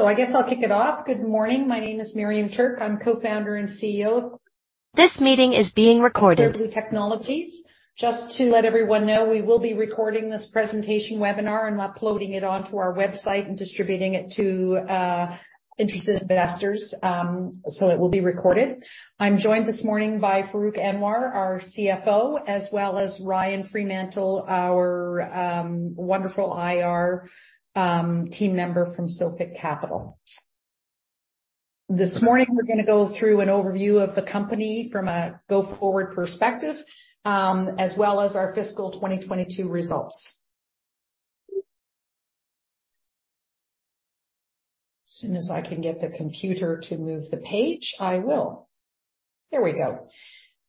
I guess I'll kick it off. Good morning. My name is Miriam Tuerk. I'm Co-founder and CEO of- This meeting is being recorded. Clear Blue Technologies. Just to let everyone know, we will be recording this presentation webinar and uploading it onto our website and distributing it to interested investors. It will be recorded. I'm joined this morning by Farrukh Anwar, our CFO, as well as Ryan Fremantle, our wonderful IR team member from Sophic Capital. This morning we're gonna go through an overview of the company from a go-forward perspective, as well as our fiscal 2022 results. As soon as I can get the computer to move the page, I will. There we go.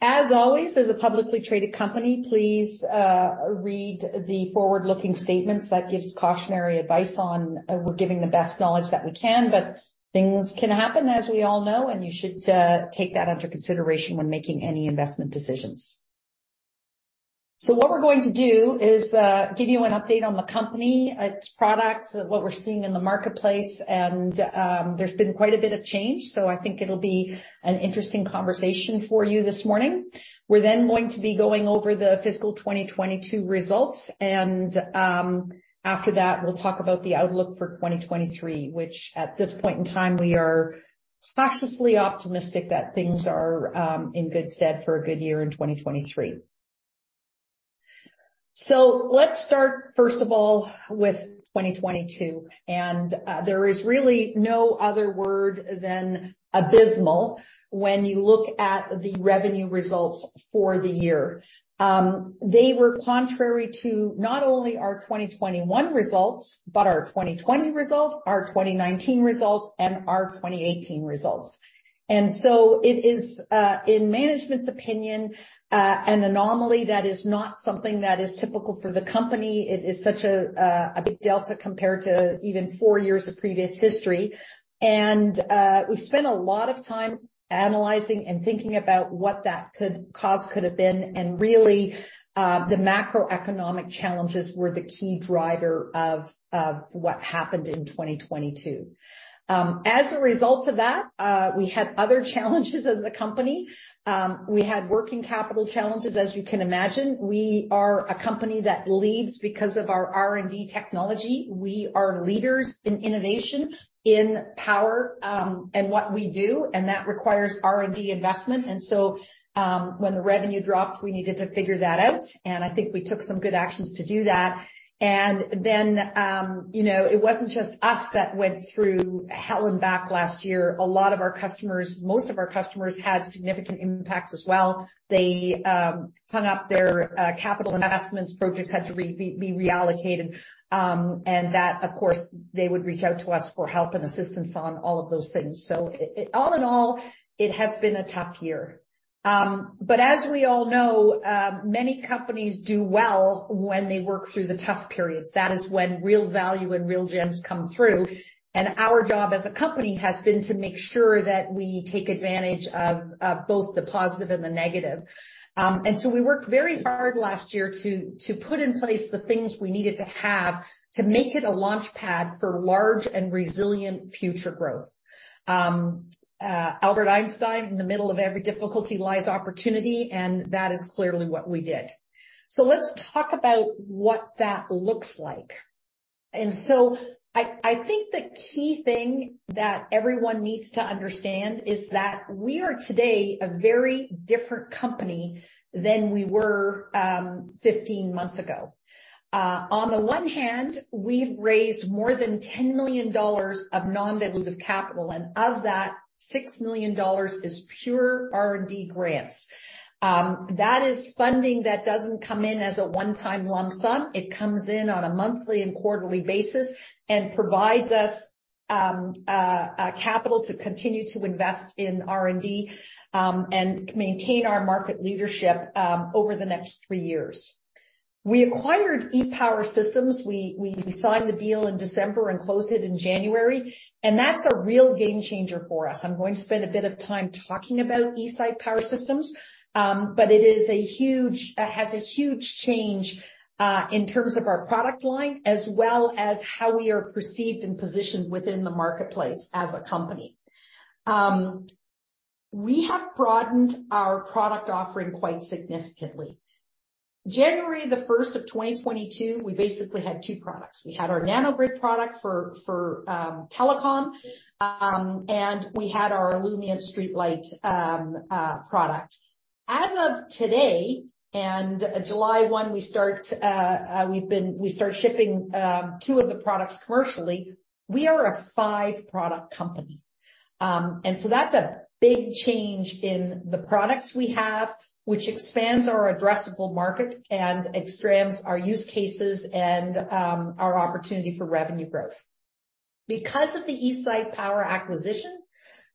As always, as a publicly traded company, please read the forward-looking statements. That gives cautionary advice on we're giving the best knowledge that we can, but things can happen, as we all know, and you should take that under consideration when making any investment decisions. What we're going to do is give you an update on the company, its products, what we're seeing in the marketplace, there's been quite a bit of change, so I think it'll be an interesting conversation for you this morning. We're going to be going over the fiscal 2022 results, after that, we'll talk about the outlook for 2023, which at this point in time we are cautiously optimistic that things are in good stead for a good year in 2023. Let's start first of all with 2022, there is really no other word than abysmal when you look at the revenue results for the year. They were contrary to not only our 2021 results, but our 2020 results, our 2019 results, and our 2018 results. It is in management's opinion an anomaly that is not something that is typical for the company. It is such a big delta compared to even four years of previous history. We've spent a lot of time analyzing and thinking about what that cause could have been. The macroeconomic challenges were the key driver of what happened in 2022. As a result of that, we had other challenges as a company. We had working capital challenges. As you can imagine, we are a company that leads because of our R&D technology. We are leaders in innovation, in power, and what we do, and that requires R&D investment. When the revenue dropped, we needed to figure that out, and I think we took some good actions to do that. You know, it wasn't just us that went through hell and back last year. A lot of our customers, most of our customers had significant impacts as well. They hung up their capital investments, projects had to be reallocated. That of course, they would reach out to us for help and assistance on all of those things. All in all, it has been a tough year. But as we all know, many companies do well when they work through the tough periods. That is when real value and real gems come through. Our job as a company has been to make sure that we take advantage of both the positive and the negative. We worked very hard last year to put in place the things we needed to have to make it a launch pad for large and resilient future growth. Albert Einstein, "In the middle of every difficulty lies opportunity," and that is clearly what we did. Let's talk about what that looks like. I think the key thing that everyone needs to understand is that we are today a very different company than we were 15 months ago. On the one hand, we've raised more than 10 million dollars of non-dilutive capital, and of that 6 million dollars is pure R&D grants. That is funding that doesn't come in as a one-time lump sum. It comes in on a monthly and quarterly basis and provides us a capital to continue to invest in R&D and maintain our market leadership over the next three years. We acquired eSite Power Systems. We signed the deal in December and closed it in January. That's a real game-changer for us. I'm going to spend a bit of time talking about eSite Power Systems, but it has a huge change in terms of our product line as well as how we are perceived and positioned within the marketplace as a company. We have broadened our product offering quite significantly. January the 1st of 2022, we basically had two products. We had our Nano-Grid product for telecom, and we had our Illumient street light product. As of today, July 1, we start shipping 2 of the products commercially. We are a 5-product company. That's a big change in the products we have, which expands our addressable market and expands our use cases and our opportunity for revenue growth. Because of the eSite Power acquisition,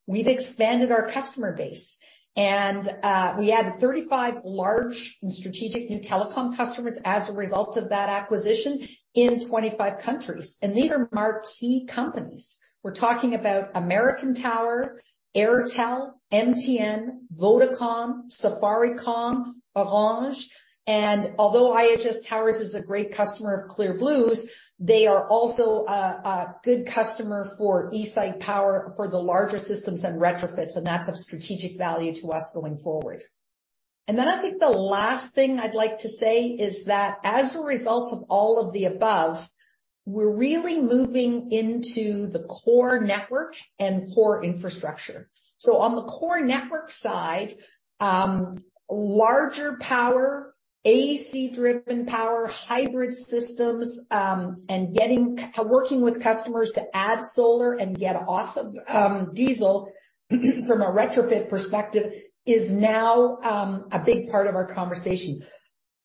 we've expanded our customer base. We added 35 large and strategic new telecom customers as a result of that acquisition in 25 countries. These are marquee companies. We're talking about American Tower, Airtel, MTN, Vodacom, Safaricom, Orange. Although IHS Towers is a great customer of Clear Blue's, they are also a good customer for eSite Power for the larger systems and retrofits, and that's of strategic value to us going forward. I think the last thing I'd like to say is that as a result of all of the above, we're really moving into the core network and core infrastructure. On the core network side, larger power, AC-driven power, hybrid systems, and working with customers to add solar and get off of diesel from a retrofit perspective is now a big part of our conversation.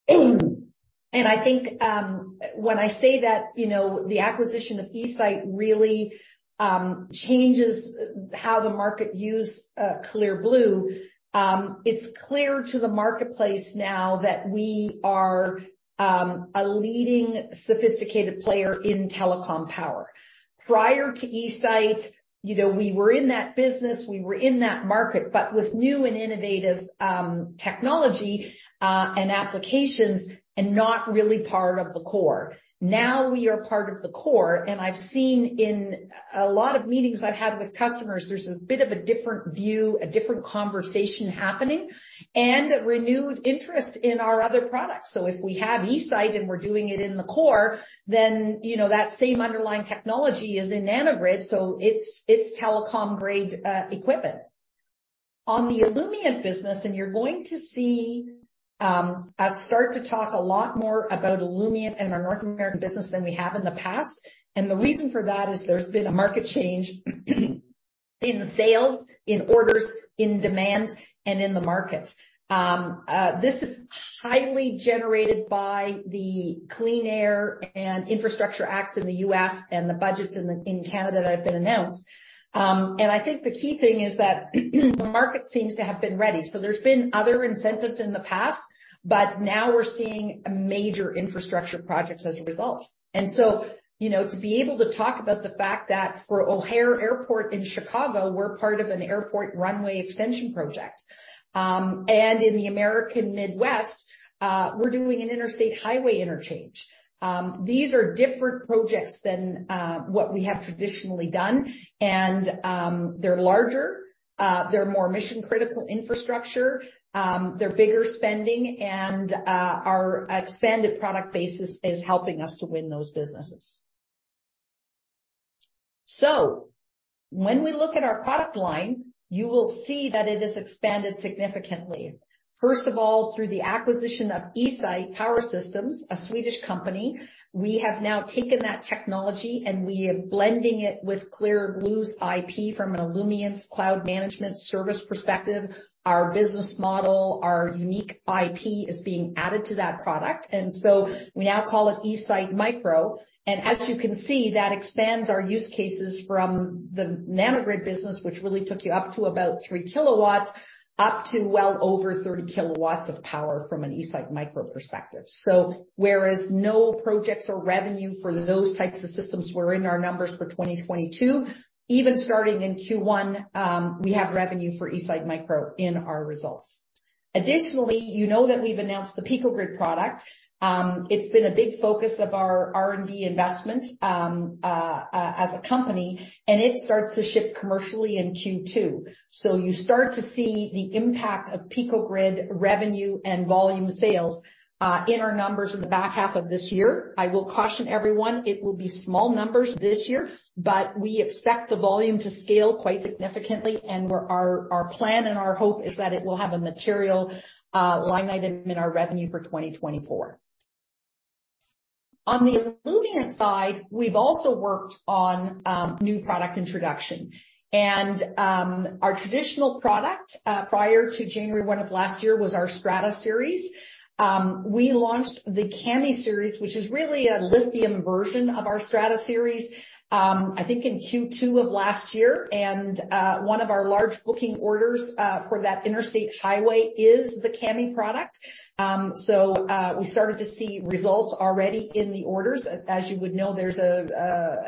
I think when I say that, you know, the acquisition of eSite really changes how the market views Clear Blue, it's clear to the marketplace now that we are a leading sophisticated player in telecom power. Prior to eSite, you know, we were in that business, we were in that market, but with new and innovative technology and applications and not really part of the core. We are part of the core, and I've seen in a lot of meetings I've had with customers, there's a bit of a different view, a different conversation happening and a renewed interest in our other products. If we have eSite and we're doing it in the core, then you know, that same underlying technology is in Nano-Grid, so it's telecom-grade equipment. On the Illumient business, you're going to see us start to talk a lot more about Illumient and our North American business than we have in the past. The reason for that is there's been a market change in sales, in orders, in demand, and in the market. This is highly generated by the Clean Air and Infrastructure Acts in the U.S. and the budgets in the, in Canada that have been announced. I think the key thing is that the market seems to have been ready. There's been other incentives in the past, but now we're seeing major infrastructure projects as a result. You know, to be able to talk about the fact that for O'Hare Airport in Chicago, we're part of an airport runway extension project. In the American Midwest, we're doing an interstate highway interchange. These are different projects than what we have traditionally done. They're larger, they're more mission-critical infrastructure. They're bigger spending, and our expanded product base is helping us to win those businesses. When we look at our product line, you will see that it has expanded significantly. First of all, through the acquisition of eSite Power Systems, a Swedish company. We have now taken that technology, we are blending it with Clear Blue's IP from an Illumience cloud management service perspective. Our business model, our unique IP is being added to that product, we now call it eSite-Micro. As you can see, that expands our use cases from the Nano-Grid business, which really took you up to about 3 kW, up to well over 30 kW of power from an eSite-Micro perspective. Whereas no projects or revenue for those types of systems were in our numbers for 2022, even starting in Q1, we have revenue for eSite-Micro in our results. Additionally, you know that we've announced the Pico-Grid product. It's been a big focus of our R&D investment as a company, it starts to ship commercially in Q2. You start to see the impact of Pico-Grid revenue and volume sales in our numbers in the back half of this year. I will caution everyone, it will be small numbers this year, but we expect the volume to scale quite significantly, and our plan and our hope is that it will have a material line item in our revenue for 2024. On the Illumient side, we've also worked on new product introduction. Our traditional product prior to January 1 of last year was our STRADA Series. We launched the CAMMI Series, which is really a lithium version of our STRADA Series, I think in Q2 of last year. One of our large booking orders for that interstate highway is the CAMMI product. We started to see results already in the orders. As you would know, there's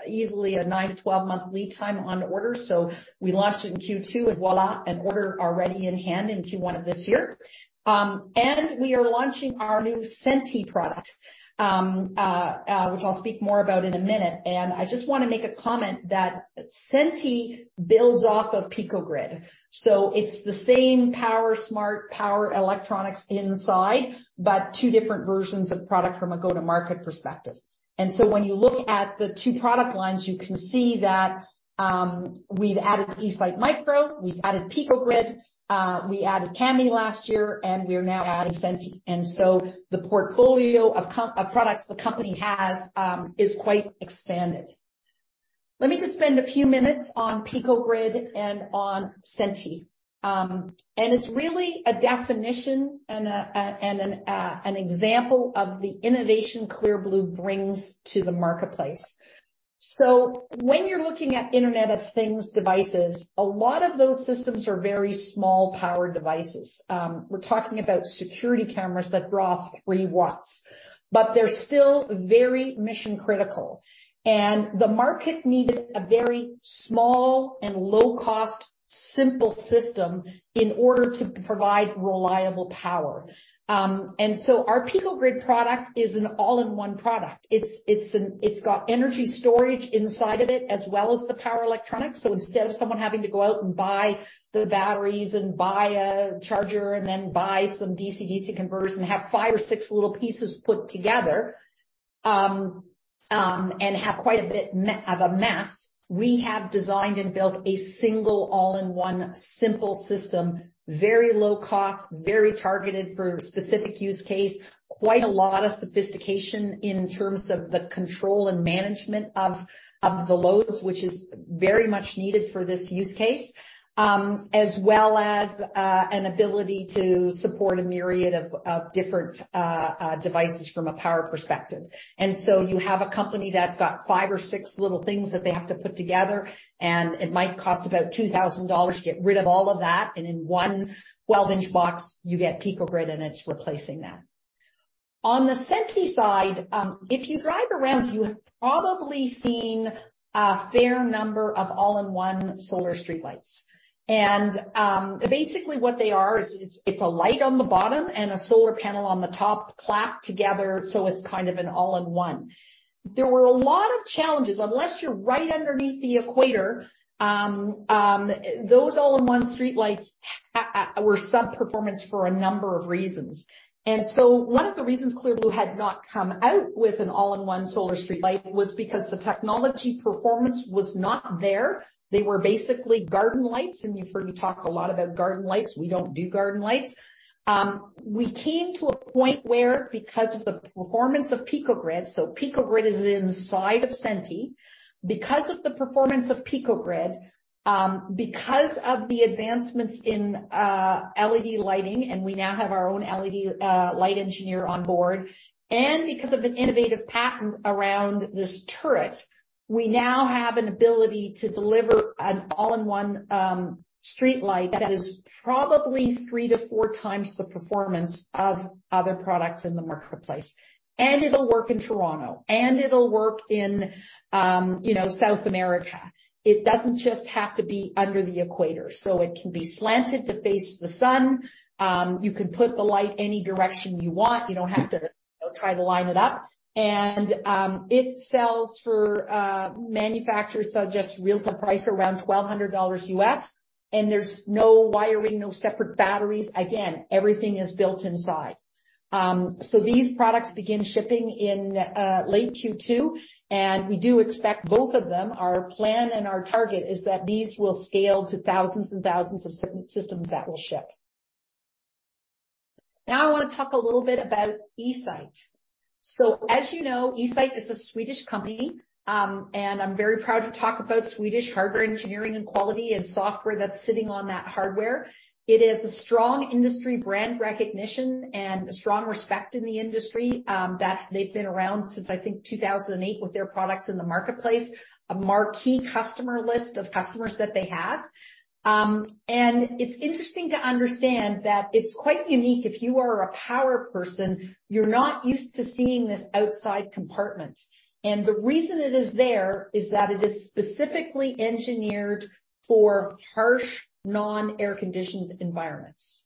easily a nine to 12-month lead time on orders. We launched in Q2, and voila, an order already in hand in Q1 of this year. We are launching our new Senti product, which I'll speak more about in a minute. I just wanna make a comment that Senti builds off of Pico-Grid. It's the same Smart Power power electronics inside, but two different versions of product from a go-to-market perspective. When you look at the two product lines, you can see that we've added eSite-Micro, we've added Pico-Grid, we added CAMMI last year, and we're now adding Senti. The portfolio of products the company has is quite expanded. Let me just spend a few minutes on Pico-Grid and on Senti. It's really a definition and an example of the innovation Clear Blue brings to the marketplace. When you're looking at Internet of Things devices, a lot of those systems are very small power devices. We're talking about security cameras that draw 3 watts, they're still very mission-critical. The market needed a very small and low-cost, simple system in order to provide reliable power. Our Pico-Grid product is an all-in-one product. It's got energy storage inside of it as well as the power electronics. Instead of someone having to go out and buy the batteries and buy a charger and then buy some DC-DC converters and have five or six little pieces put together, and have quite a bit of a mess, we have designed and built a single all-in-one simple system, very low cost, very targeted for specific use case. Quite a lot of sophistication in terms of the control and management of the loads, which is very much needed for this use case, as well as an ability to support a myriad of different devices from a power perspective. You have a company that's got five or six little things that they have to put together, and it might cost about 2,000 dollars to get rid of all of that. In one 12-inch box, you get Pico-Grid, and it's replacing that. On the Senti side, if you drive around, you've probably seen a fair number of all-in-one solar streetlights. Basically, what they are is it's a light on the bottom and a solar panel on the top clapped together, so it's kind of an all-in-one. There were a lot of challenges. Unless you're right underneath the equator, those all-in-one streetlights were sub-performance for a number of reasons. One of the reasons Clear Blue had not come out with an all-in-one solar streetlight was because the technology performance was not there. They were basically garden lights, and you've heard me talk a lot about garden lights. We don't do garden lights. We came to a point where because of the performance of Pico-Grid, so Pico-Grid is inside of Senti. Because of the performance of PicoGrid, because of the advancements in LED lighting, and we now have our own LED light engineer on board, and because of an innovative patent around this turret, we now have an ability to deliver an all-in-one streetlight that is probably 3 to 4x the performance of other products in the marketplace. It'll work in Toronto, and it'll work in, you know, South America. It doesn't just have to be under the equator. It can be slanted to face the sun. You can put the light any direction you want. You don't have to try to line it up. It sells for, manufacturers sell just retail price around $1,200 US, and there's no wiring, no separate batteries. Again, everything is built inside. These products begin shipping in late Q2, and we do expect both of them. Our plan and our target is that these will scale to thousands and thousands of systems that will ship. I want to talk a little bit about eSite. As you know, eSite is a Swedish company, and I'm very proud to talk about Swedish hardware engineering and quality and software that's sitting on that hardware. It is a strong industry brand recognition and a strong respect in the industry that they've been around since, I think, 2008 with their products in the marketplace. A marquee customer list of customers that they have. It's interesting to understand that it's quite unique. If you are a power person, you're not used to seeing this outside compartment. The reason it is there is that it is specifically engineered for harsh, non-air-conditioned environments.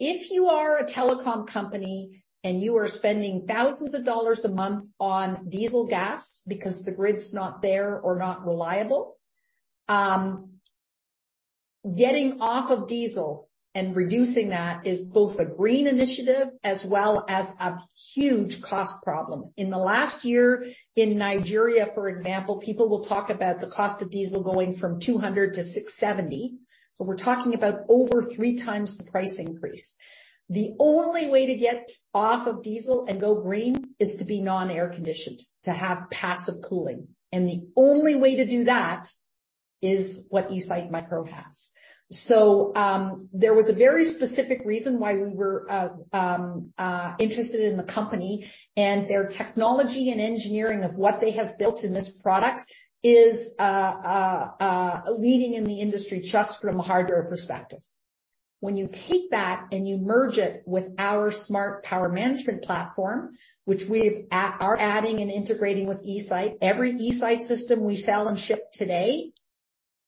If you are a telecom company, and you are spending dollars thousands a month on diesel gas because the grid's not there or not reliable, getting off of diesel and reducing that is both a green initiative as well as a huge cost problem. In the last year in Nigeria, for example, people will talk about the cost of diesel going from 200-670. We're talking about over 3x the price increase. The only way to get off of diesel and go green is to be non-air-conditioned, to have passive cooling. The only way to do that is what eSite-Micro has. There was a very specific reason why we were interested in the company and their technology and engineering of what they have built in this product is leading in the industry just from a hardware perspective. When you take that and you merge it with our Smart Power management platform, which we're adding and integrating with eSite. Every eSite system we sell and ship today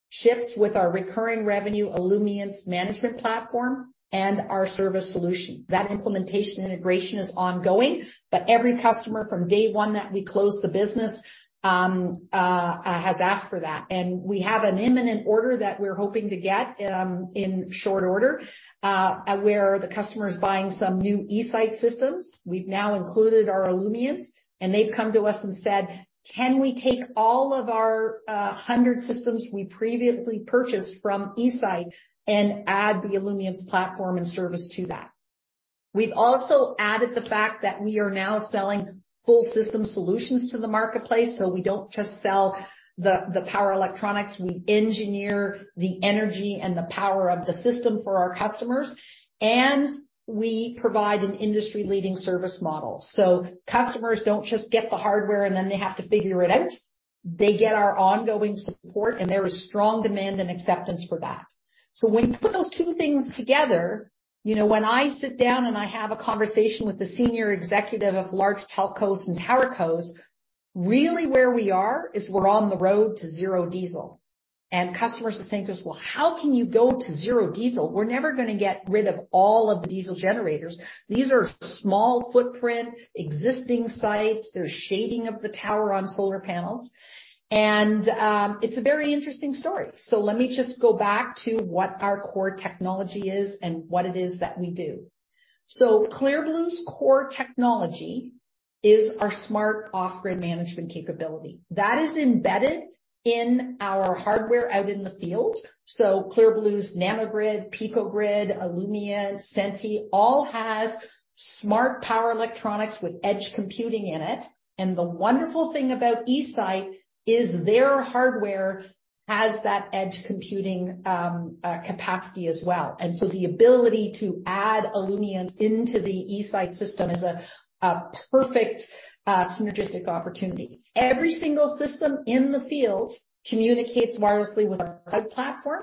ships with our recurring revenue Illumience management platform and our service solution. That implementation integration is ongoing, but every customer from day one that we close the business has asked for that. We have an imminent order that we're hoping to get in short order where the customer is buying some new eSite systems. We've now included our Illumience, they've come to us and said, "Can we take all of our 100 systems we previously purchased from eSite and add the Illumience platform and service to that?" We've also added the fact that we are now selling full system solutions to the marketplace. We don't just sell the power electronics. We engineer the energy and the power of the system for our customers, we provide an industry-leading service model. Customers don't just get the hardware, they have to figure it out. They get our ongoing support, there is strong demand and acceptance for that. When you put those two things together, you know, when I sit down and I have a conversation with the senior executive of large telcos and towercos, really where we are is we're on the road to zero diesel. Customers are saying to us, "Well, how can you go to zero diesel? We're never gonna get rid of all of the diesel generators." These are small footprint, existing sites. There's shading of the tower on solar panels, and it's a very interesting story. Let me just go back to what our core technology is and what it is that we do. Clear Blue's core technology is our smart off-grid management capability. That is embedded in our hardware out in the field. Clear Blue's Nano-Grid, Pico-Grid, Illumience, Senti all has smart power electronics with edge computing in it. The wonderful thing about eSite is their hardware has that edge computing capacity as well. The ability to add Illumience into the eSite system is a perfect synergistic opportunity. Every single system in the field communicates wirelessly with our cloud platform.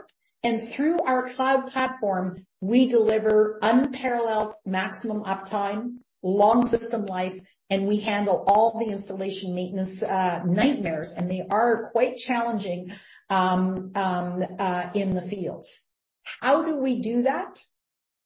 Through our cloud platform, we deliver unparalleled maximum uptime, long system life, and we handle all the installation maintenance nightmares, and they are quite challenging in the field. How do we do that?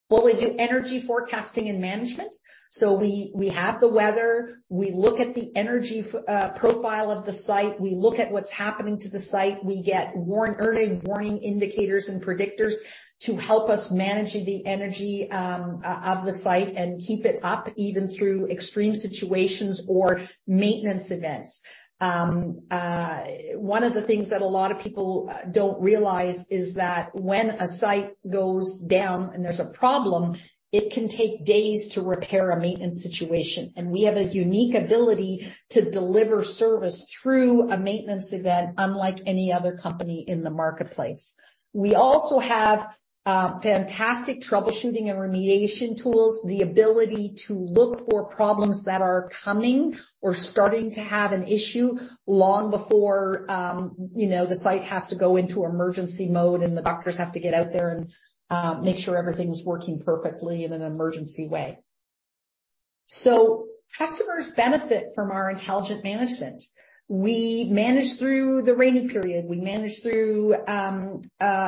Well, we do energy forecasting and management. We have the weather. We look at the energy profile of the site. We look at what's happening to the site. We get early warning indicators and predictors to help us manage the energy of the site and keep it up even through extreme situations or maintenance events. One of the things that a lot of people don't realize is that when a site goes down and there's a problem, it can take days to repair a maintenance situation. We have a unique ability to deliver service through a maintenance event, unlike any other company in the marketplace. We also have fantastic troubleshooting and remediation tools. The ability to look for problems that are coming or starting to have an issue long before, you know, the site has to go into emergency mode, and the doctors have to get out there and make sure everything's working perfectly in an emergency way. Customers benefit from our intelligent management. We manage through the rainy period. We manage through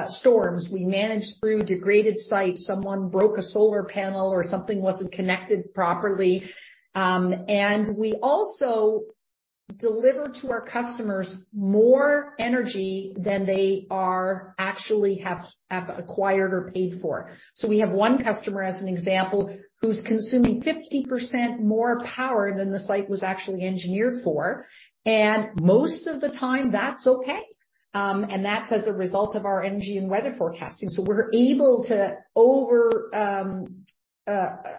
storms. We manage through degraded sites. Someone broke a solar panel or something wasn't connected properly. We also deliver to our customers more energy than they actually have acquired or paid for. We have one customer, as an example, who's consuming 50% more power than the site was actually engineered for. Most of the time, that's okay. That's as a result of our energy and weather forecasting. We're able to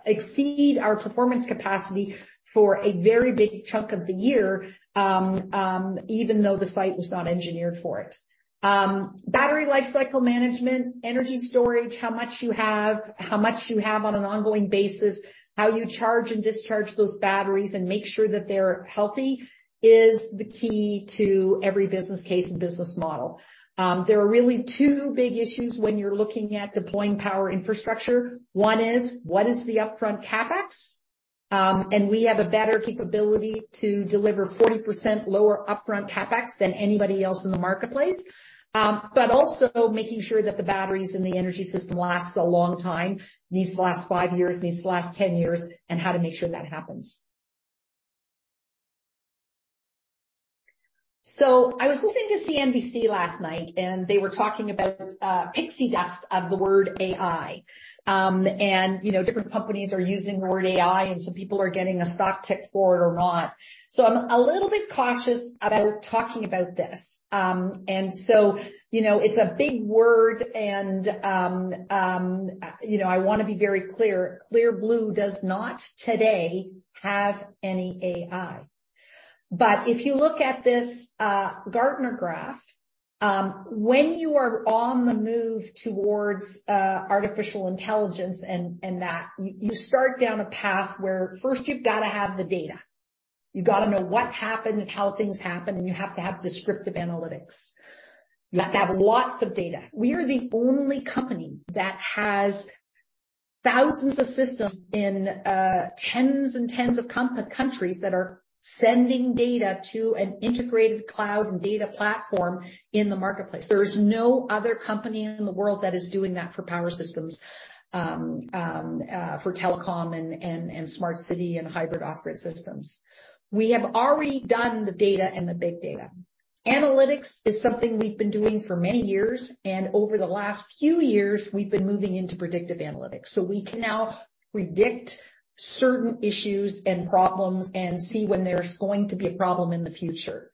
exceed our performance capacity for a very big chunk of the year, even though the site was not engineered for it. Battery life cycle management, energy storage, how much you have on an ongoing basis, how you charge and discharge those batteries, and make sure that they're healthy is the key to every business case and business model. There are really two big issues when you're looking at deploying power infrastructure. One is, what is the upfront CapEx? We have a better capability to deliver 40% lower upfront CapEx than anybody else in the marketplace. Also making sure that the batteries and the energy system lasts a long time. Needs to last five years, needs to last 10 years, and how to make sure that happens. I was listening to CNBC last night, and they were talking about pixie dust of the word AI. You know, different companies are using the word AI, and some people are getting a stock tick for it or not. I'm a little bit cautious about talking about this. You know, it's a big word, and, you know, I wanna be very clear. Clear Blue does not today have any AI. If you look at this Gartner graph, when you are on the move towards artificial intelligence and that, you start down a path where first you've gotta have the data. You've gotta know what happened and how things happened, and you have to have descriptive analytics. You have to have lots of data. We are the only company that has 1,000s of systems in tens and tens of countries that are sending data to an integrated cloud and data platform in the marketplace. There is no other company in the world that is doing that for power systems, for telecom and, and smart city and hybrid off-grid systems. We have already done the data and the big data. Analytics is something we've been doing for many years, and over the last few years, we've been moving into predictive analytics. We can now predict certain issues and problems and see when there's going to be a problem in the future.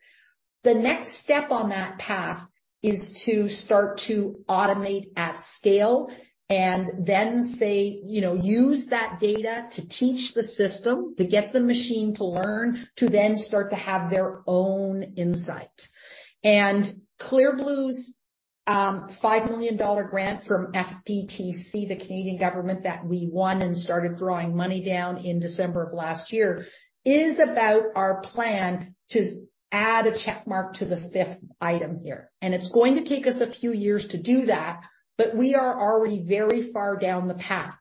The next step on that path is to start to automate at scale and then say, you know, use that data to teach the system, to get the machine to learn, to then start to have their own insight. Clear Blue's 5 million dollar grant from SDTC, the Canadian government that we won and started drawing money down in December of last year, is about our plan to add a check mark to the fifth item here. It's going to take us a few years to do that, but we are already very far down the path.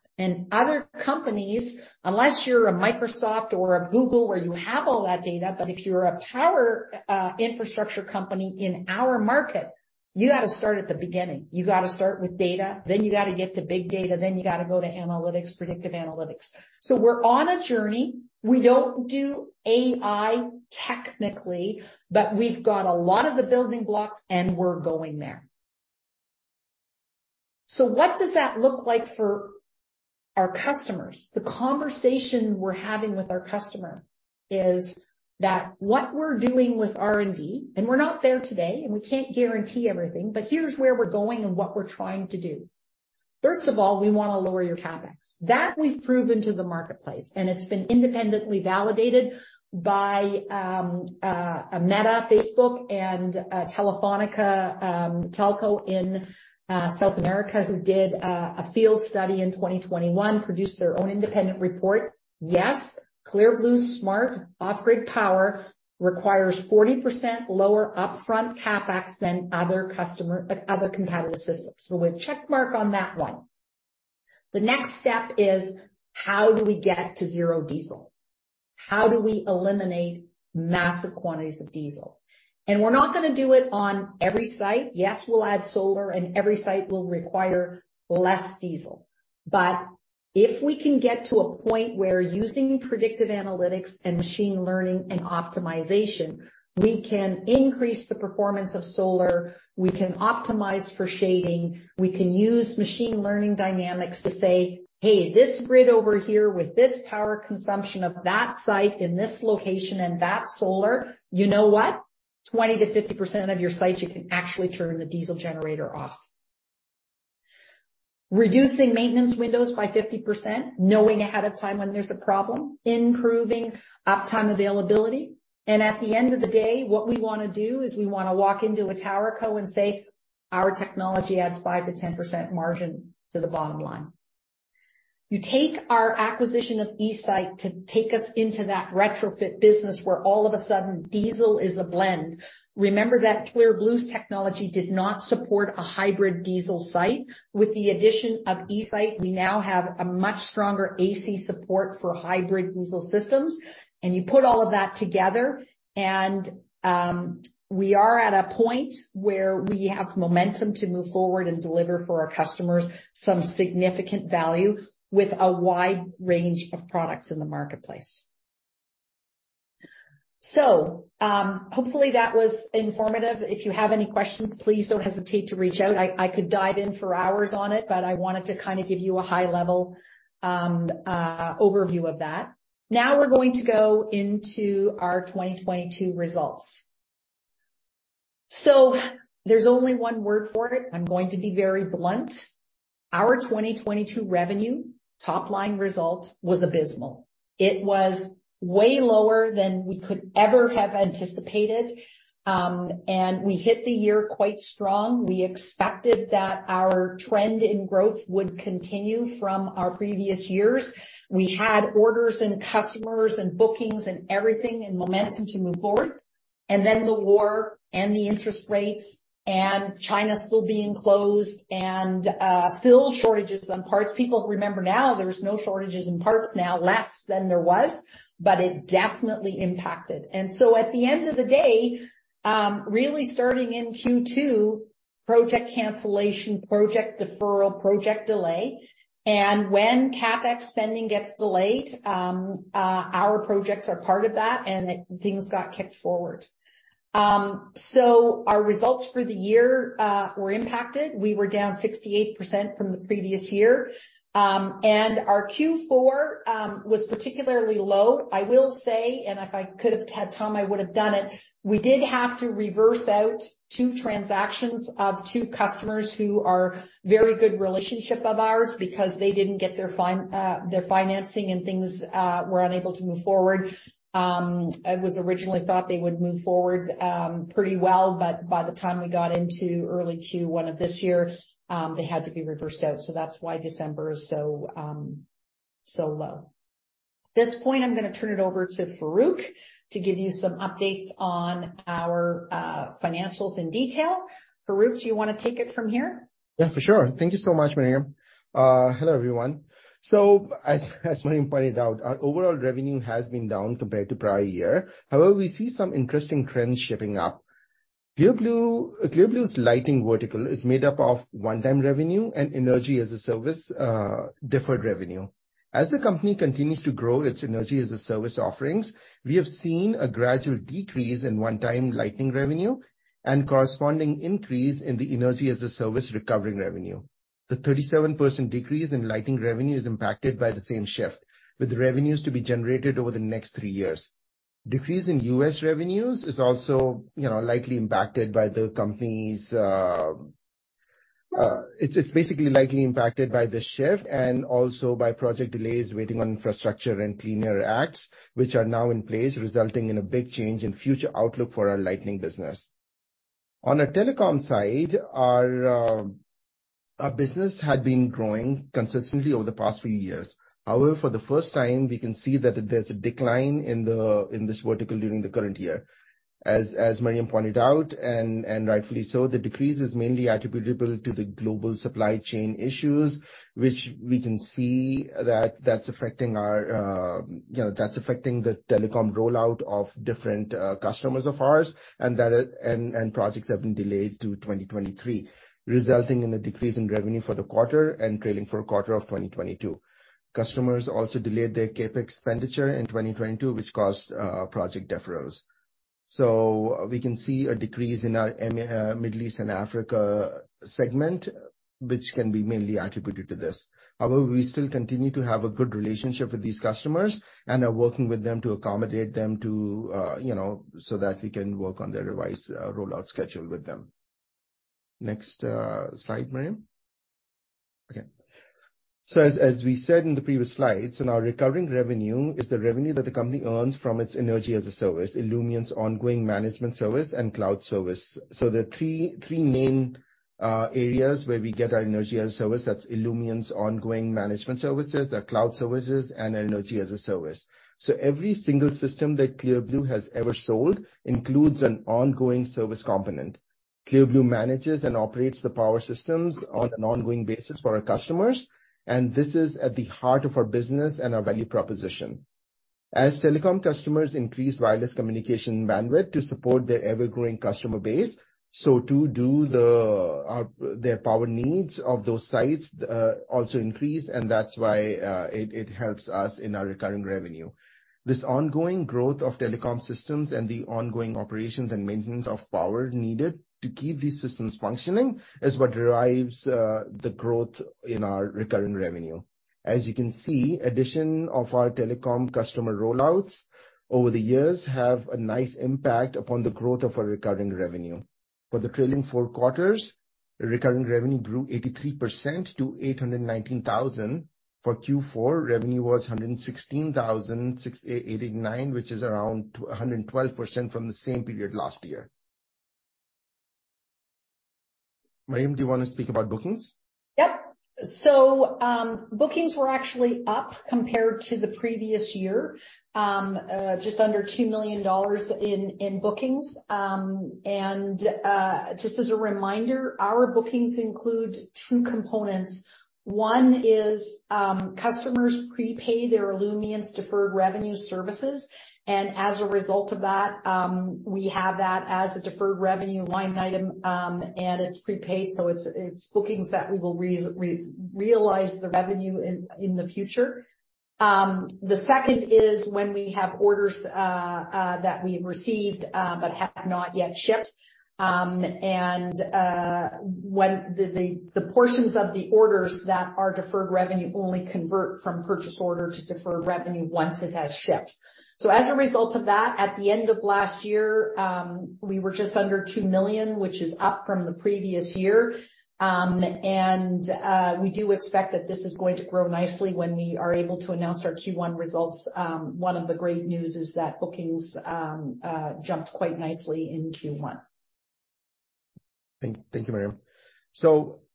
Other companies, unless you're a Microsoft or a Google, where you have all that data, but if you're a power infrastructure company in our market, you gotta start at the beginning. You gotta start with data, then you gotta get to big data, then you gotta go to analytics, predictive analytics. We're on a journey. We don't do AI technically, but we've got a lot of the building blocks, and we're going there. What does that look like for our customers? The conversation we're having with our customer is that what we're doing with R&D, and we're not there today, and we can't guarantee everything, but here's where we're going and what we're trying to do. First of all, we wanna lower your CapEx. That we've proven to the marketplace, and it's been independently validated by Meta, Facebook and Telefónica, Telco in South America, who did a field study in 2021, produced their own independent report. Yes, Clear Blue's smart off-grid power requires 40% lower upfront CapEx than other competitive systems. A check mark on that one. The next step is how do we get to zero diesel? How do we eliminate massive quantities of diesel? We're not gonna do it on every site. Yes, we'll add solar, and every site will require less diesel. If we can get to a point where using predictive analytics and machine learning and optimization, we can increase the performance of solar, we can optimize for shading, we can use machine learning dynamics to say, "Hey, this grid over here with this power consumption of that site in this location and that solar, you know what? 20%-50% of your sites, you can actually turn the diesel generator off." Reducing maintenance windows by 50%, knowing ahead of time when there's a problem, improving uptime availability. At the end of the day, what we wanna do is we wanna walk into a tower co and say, "Our technology adds 5%-10% margin to the bottom line." You take our acquisition of eSite to take us into that retrofit business where all of a sudden diesel is a blend. Remember that Clear Blue's technology did not support a hybrid diesel site. With the addition of eSite, we now have a much stronger AC support for hybrid diesel systems. You put all of that together, and we are at a point where we have momentum to move forward and deliver for our customers some significant value with a wide range of products in the marketplace. Hopefully, that was informative. If you have any questions, please don't hesitate to reach out. I could dive in for hours on it, but I wanted to kinda give you a high-level overview of that. Now we're going to go into our 2022 results. There's only one word for it. I'm going to be very blunt. Our 2022 revenue top-line result was abysmal. It was way lower than we could ever have anticipated, and we hit the year quite strong. We expected that our trend in growth would continue from our previous years. We had orders and customers and bookings and everything and momentum to move forward. The war and the interest rates and China still being closed and still shortages on parts. People remember now there's no shortages in parts now, less than there was, but it definitely impacted. At the end of the day, really starting in Q2, project cancellation, project deferral, project delay. When CapEx spending gets delayed, our projects are part of that, and things got kicked forward. Our results for the year were impacted. We were down 68% from the previous year. Our Q4 was particularly low. I will say, and if I could have had time, I would have done it, we did have to reverse out 2 transactions of 2 customers who are very good relationship of ours because they didn't get their financing and things were unable to move forward. It was originally thought they would move forward pretty well, but by the time we got into early Q1 of this year, they had to be reversed out. That's why December is so low. This point I'm gonna turn it over to Farooq to give you some updates on our financials in detail. Farooq, do you wanna take it from here? Yeah, for sure. Thank you so much, Miriam. Hello, everyone. As Miriam pointed out, our overall revenue has been down compared to prior year. However, we see some interesting trends shaping up. Clear Blue's lighting vertical is made up of one-time revenue and Energy-as-a-Service deferred revenue. As the company continues to grow its Energy-as-a-Service offerings, we have seen a gradual decrease in one-time lighting revenue and corresponding increase in the Energy-as-a-Service recovering revenue. The 37% decrease in lighting revenue is impacted by the same shift, with the revenues to be generated over the next three years. Decrease in U.S. revenues is also, you know, basically likely impacted by the shift and also by project delays waiting on infrastructure and Clean Air Act which are now in place, resulting in a big change in future outlook for our lighting business. On a telecom side, our business had been growing consistently over the past few years. However, for the first time we can see that there's a decline in this vertical during the current year. As Miriam pointed out, and rightfully so, the decrease is mainly attributable to the global supply chain issues, which we can see that's affecting our, you know, that's affecting the telecom rollout of different customers of ours and that it... Projects have been delayed to 2023, resulting in a decrease in revenue for the quarter and trailing for quarter of 2022. Customers also delayed their CapEx expenditure in 2022, which caused project deferrals. We can see a decrease in our Middle East and Africa segment, which can be mainly attributed to this. However, we still continue to have a good relationship with these customers and are working with them to accommodate them to, you know, so that we can work on their device rollout schedule with them. Next slide, Miriam. Okay. As we said in the previous slides, our recurring revenue is the revenue that the company earns from its Energy-as-a-Service, Illumient's ongoing management service and cloud service. The three main areas where we get our Energy-as-a-Service, that's Illumient's ongoing management services, their cloud services, and Energy-as-a-Service. Every single system that Clear Blue has ever sold includes an ongoing service component. Clear Blue manages and operates the power systems on an ongoing basis for our customers, and this is at the heart of our business and our value proposition. As telecom customers increase wireless communication bandwidth to support their ever-growing customer base, so too do their power needs of those sites also increase, and that's why it helps us in our recurring revenue. This ongoing growth of telecom systems and the ongoing operations and maintenance of power needed to keep these systems functioning is what drives the growth in our recurring revenue. As you can see, addition of our telecom customer rollouts over the years have a nice impact upon the growth of our recurring revenue. For the trailing four quarters, recurring revenue grew 83% to 819,000. For Q4, revenue was 116,089, which is around 112% from the same period last year. Miriam, do you wanna speak about bookings? Yep. bookings were actually up compared to the previous year. just under 2 million dollars in bookings. just as a reminder, our bookings include two components. One is, customers prepay their Illumient's deferred revenue services, as a result of that, we have that as a deferred revenue line item, it's prepaid, so it's bookings that we will realize the revenue in the future. The second is when we have orders that we've received, have not yet shipped, when the portions of the orders that are deferred revenue only convert from purchase order to deferred revenue once it has shipped. As a result of that, at the end of last year, we were just under 2 million, which is up from the previous year. We do expect that this is going to grow nicely when we are able to announce our Q1 results. One of the great news is that bookings jumped quite nicely in Q1. Thank you, Miriam.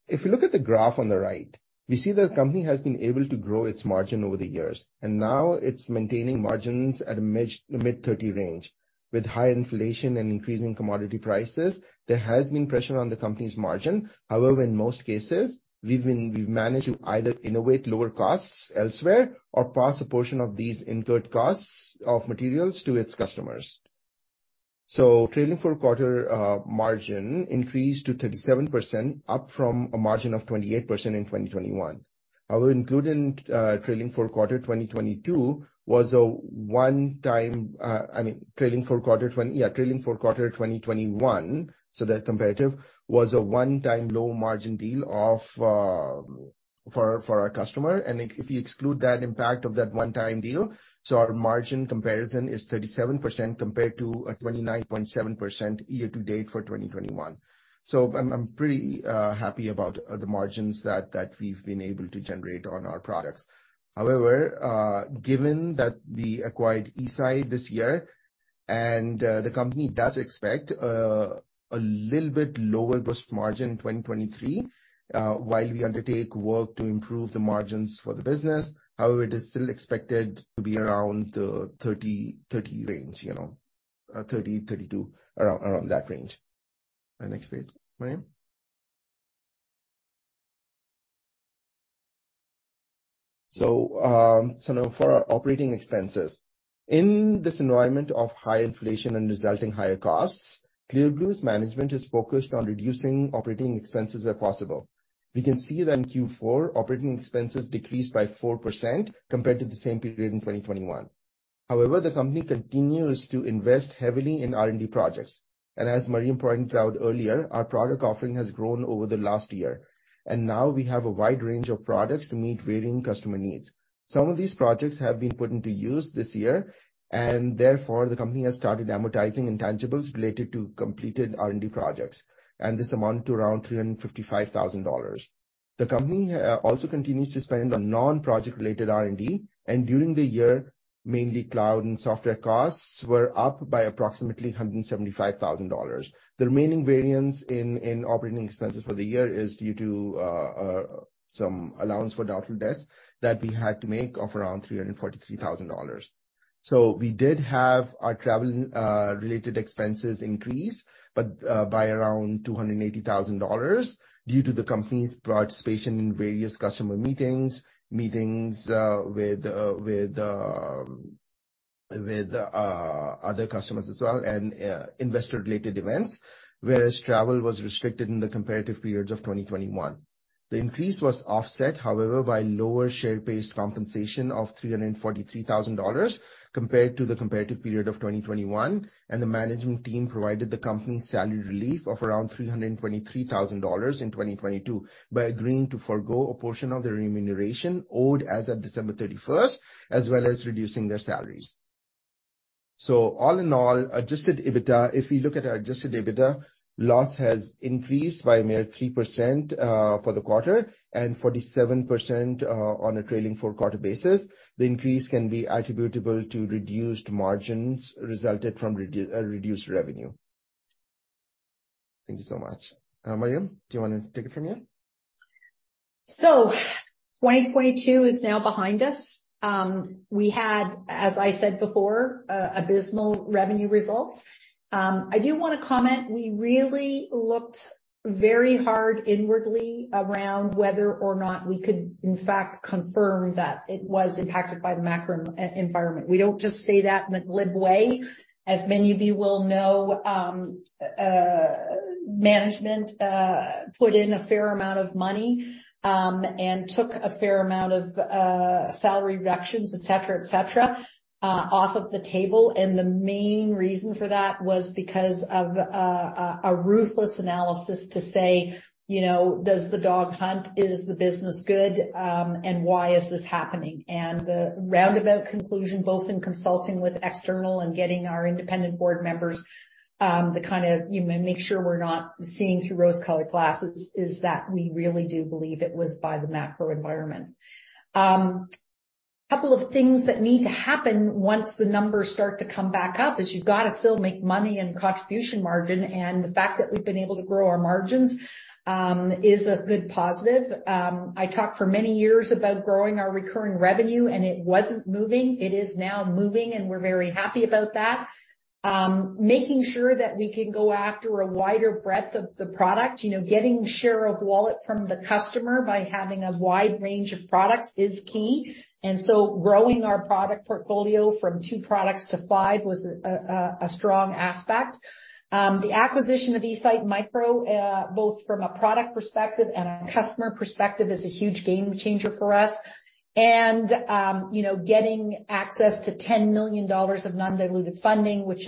If you look at the graph on the right, we see the company has been able to grow its margin over the years, and now it's maintaining margins at a mid-30 range. With high inflation and increasing commodity prices, there has been pressure on the company's margin. However, in most cases, we've managed to either innovate lower costs elsewhere or pass a portion of these incurred costs of materials to its customers. Trailing 4 quarter margin increased to 37%, up from a margin of 28% in 2021. However, including, trailing 4 quarter 2022 was a one-time, I mean, trailing 4 quarter 2021, so that's comparative, was a one-time low margin deal for our customer. If you exclude that impact of that one-time deal, our margin comparison is 37% compared to a 29.7% year to date for 2021. I'm pretty happy about the margins that we've been able to generate on our products. However, given that we acquired eSite this year and the company does expect a little bit lower gross margin in 2023 while we undertake work to improve the margins for the business. However, it is still expected to be around the 30%-30% range, you know, 30%-32%, around that range. The next page, Miriam. Now for our operating expenses. In this environment of high inflation and resulting higher costs, Clear Blue's management is focused on reducing operating expenses where possible. We can see that in Q4, operating expenses decreased by 4% compared to the same period in 2021. The company continues to invest heavily in R&D projects. As Miriam pointed out earlier, our product offering has grown over the last year, and now we have a wide range of products to meet varying customer needs. Some of these projects have been put into use this year, therefore the company has started amortizing intangibles related to completed R&D projects. This amount to around 355,000 dollars. The company also continues to spend on non-project related R&D. During the year, mainly cloud and software costs were up by approximately 175,000 dollars. The remaining variance in operating expenses for the year is due to some allowance for doubtful debts that we had to make of around 343,000 dollars. We did have our travel related expenses increase, but by around 280,000 dollars due to the company's participation in various customer meetings with other customers as well, and investor-related events, whereas travel was restricted in the comparative periods of 2021. The increase was offset, however, by lower share-based compensation of 343,000 dollars compared to the comparative period of 2021, and the management team provided the company's salary relief of around 323,000 dollars in 2022 by agreeing to forgo a portion of their remuneration owed as of December 31st, as well as reducing their salaries. All in all, adjusted EBITDA. If we look at our adjusted EBITDA, loss has increased by a mere 3% for the quarter and 47% on a trailing four-quarter basis. The increase can be attributable to reduced margins resulted from reduced revenue. Thank you so much. Miriam, do you wanna take it from here? 2022 is now behind us. We had, as I said before, abysmal revenue results. I do wanna comment, we really looked very hard inwardly around whether or not we could in fact confirm that it was impacted by the macro e-environment. We don't just say that in a glib way. As many of you will know, management put in a fair amount of money and took a fair amount of salary reductions, et cetera, et cetera, off of the table. The main reason for that was because of a ruthless analysis to say, you know, does the dog hunt? Is the business good? And why is this happening? The roundabout conclusion, both in consulting with external and getting our independent board members, to kinda, you know, make sure we're not seeing through rose-colored glasses, is that we really do believe it was by the macro environment. Couple of things that need to happen once the numbers start to come back up, is you've gotta still make money and contribution margin, and the fact that we've been able to grow our margins, is a good positive. I talked for many years about growing our recurring revenue and it wasn't moving. It is now moving, and we're very happy about that. Making sure that we can go after a wider breadth of the product. You know, getting share of wallet from the customer by having a wide range of products is key. Growing our product portfolio from 2 products to 5 was a strong aspect. The acquisition of eSite-Micro, both from a product perspective and a customer perspective, is a huge game changer for us. You know, getting access to 10 million dollars of non-diluted funding, which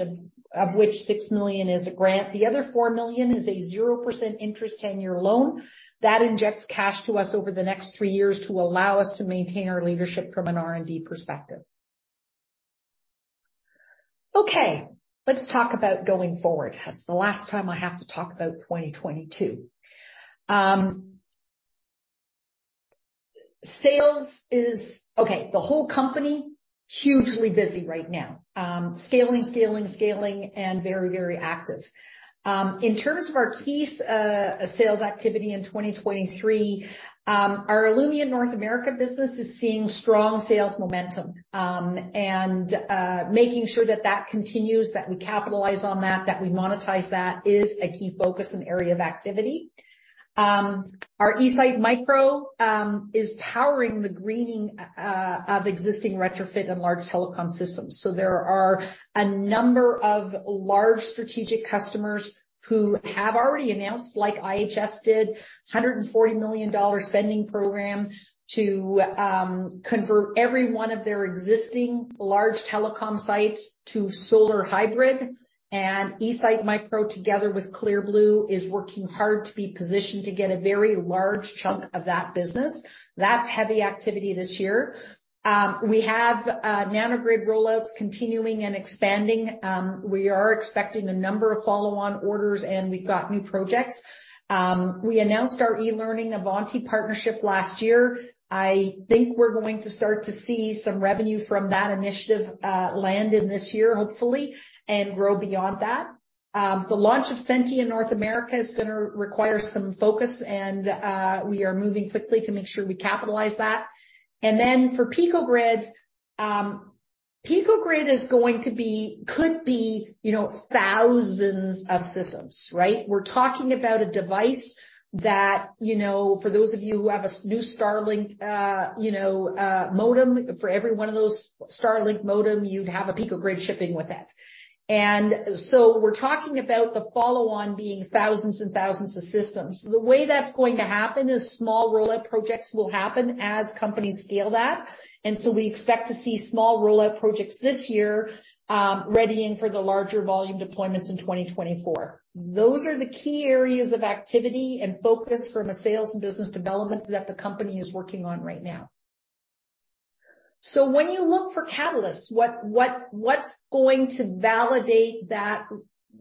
of which 6 million is a grant. The other 4 million is a 0% interest 10-year loan that injects cash to us over the next three years to allow us to maintain our leadership from an R&D perspective. Okay, let's talk about going forward. That's the last time I have to talk about 2022. Okay, the whole company, hugely busy right now. Scaling and very active. In terms of our key sales activity in 2023, our Illumient North America business is seeing strong sales momentum. Making sure that that continues, that we capitalize on that we monetize that, is a key focus and area of activity. Our eSite-Micro is powering the greening of existing retrofit and large telecom systems. There are a number of large strategic customers who have already announced, like IHS did, 140 million dollar spending program to convert every one of their existing large telecom sites to solar hybrid. eSite-Micro, together with Clear Blue, is working hard to be positioned to get a very large chunk of that business. That's heavy activity this year. We have Nano-Grid rollouts continuing and expanding. We are expecting a number of follow-on orders, and we've got new projects. We announced our eLearning Avanti partnership last year. I think we're going to start to see some revenue from that initiative land in this year, hopefully, and grow beyond that. The launch of Senti in North America is gonna require some focus, and we are moving quickly to make sure we capitalize that. For Pico-Grid, Pico-Grid could be, you know, thousands of systems, right? We're talking about a device that, you know, for those of you who have a new Starlink, you know, modem, for every one of those Starlink modem, you'd have a Pico-Grid shipping with it. We're talking about the follow-on being thousands and thousands of systems. The way that's going to happen is small rollout projects will happen as companies scale that. We expect to see small rollout projects this year, readying for the larger volume deployments in 2024. Those are the key areas of activity and focus from a sales and business development that the company is working on right now. When you look for catalysts, what's going to validate that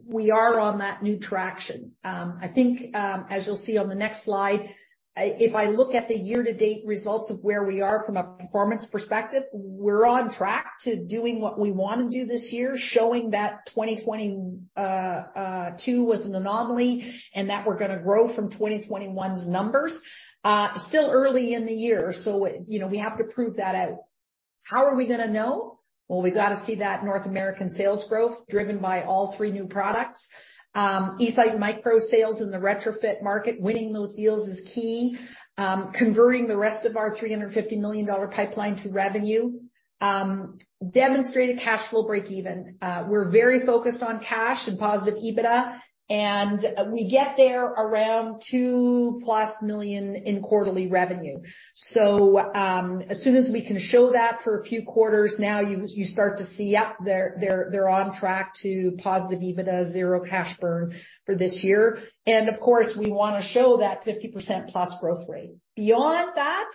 we are on that new traction? I think, as you'll see on the next slide, if I look at the year-to-date results of where we are from a performance perspective, we're on track to doing what we wanna do this year, showing that 2022 was an anomaly, and that we're gonna grow from 2021's numbers. Still early in the year, you know, we have to prove that out. How are we gonna know? Well, we've got to see that North American sales growth driven by all three new products. eSite-Micro sales in the retrofit market, winning those deals is key. Converting the rest of our 350 million dollar pipeline to revenue. Demonstrate a cash flow break even. We're very focused on cash and positive EBITDA, and we get there around 2+ million in quarterly revenue. As soon as we can show that for a few quarters, now you start to see, yep, they're on track to positive EBITDA, zero cash burn for this year. Of course, we wanna show that 50%+ growth rate. Beyond that,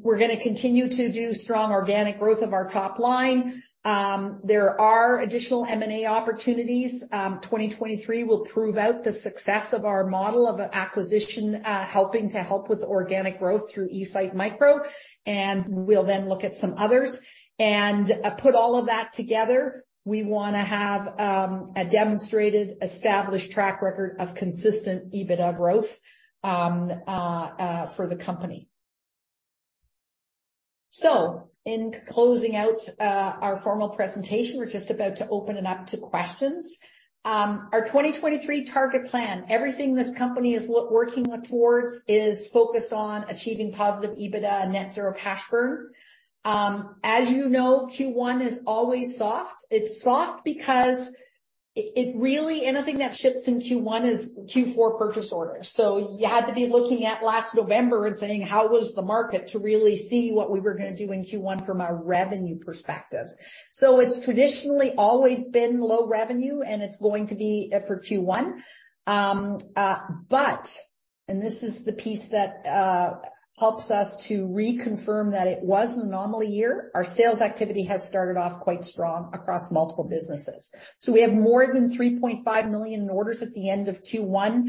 we're gonna continue to do strong organic growth of our top line. There are additional M&A opportunities. 2023 will prove out the success of our model of acquisition, helping to help with organic growth through eSite-Micro, we'll then look at some others. Put all of that together, we wanna have a demonstrated, established track record of consistent EBITDA growth for the company. In closing out our formal presentation, we're just about to open it up to questions. Our 2023 target plan, everything this company is working towards is focused on achieving positive EBITDA and net zero cash burn. As you know, Q1 is always soft. It's soft because it really anything that ships in Q1 is Q4 purchase order. You had to be looking at last November and saying, "How was the market?" To really see what we were gonna do in Q1 from a revenue perspective. It's traditionally always been low revenue, and it's going to be it for Q1. This is the piece that helps us to reconfirm that it was an anomaly year, our sales activity has started off quite strong across multiple businesses. We have more than 3.5 million in orders at the end of Q1,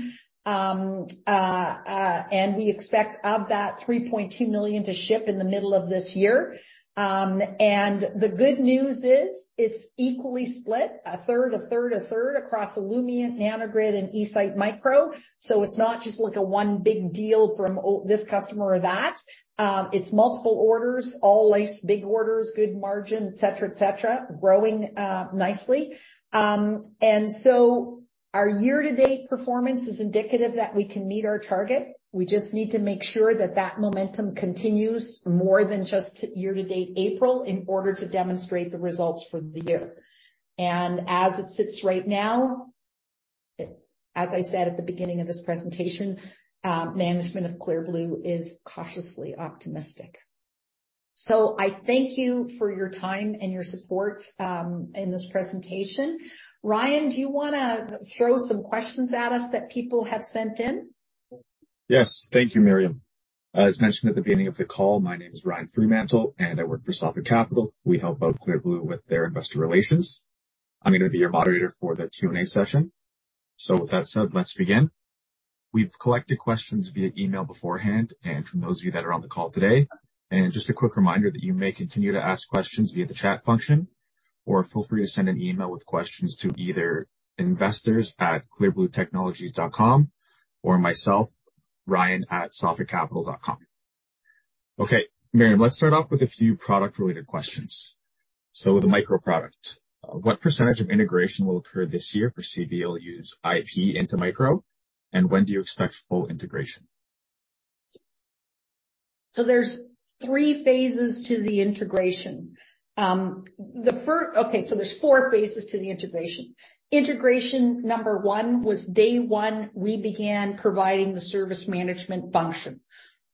and we expect of that 3.2 million to ship in the middle of this year. The good news is it's equally split a third, a third, a third across Illumient, Nano-Grid and eSite-Micro. It's not just like a one big deal from this customer or that. It's multiple orders, all nice big orders, good margin, et cetera, et cetera, growing nicely. Our year-to-date performance is indicative that we can meet our target. We just need to make sure that that momentum continues more than just year-to-date April in order to demonstrate the results for the year. As it sits right now, as I said at the beginning of this presentation, management of Clear Blue is cautiously optimistic. I thank you for your time and your support in this presentation. Ryan, do you wanna throw some questions at us that people have sent in? Yes. Thank you, Miriam. As mentioned at the beginning of the call, my name is Ryan Freemantle, and I work for Sophic Capital. We help out Clear Blue with their investor relations. I'm going to be your moderator for the Q&A session. With that said, let's begin. We've collected questions via email beforehand and from those of you that are on the call today. Just a quick reminder that you may continue to ask questions via the chat function or feel free to send an email with questions to either investors@clearbluetechnologies.com or myself, ryan@sophiccapital.com. Okay, Miriam, let's start off with a few product-related questions. With the Micro product, what percentage of integration will occur this year for CBLU use IP into Micro? When do you expect full integration? There's three phases to the integration. There's four phases to the integration. Integration number one was day one, we began providing the service management function.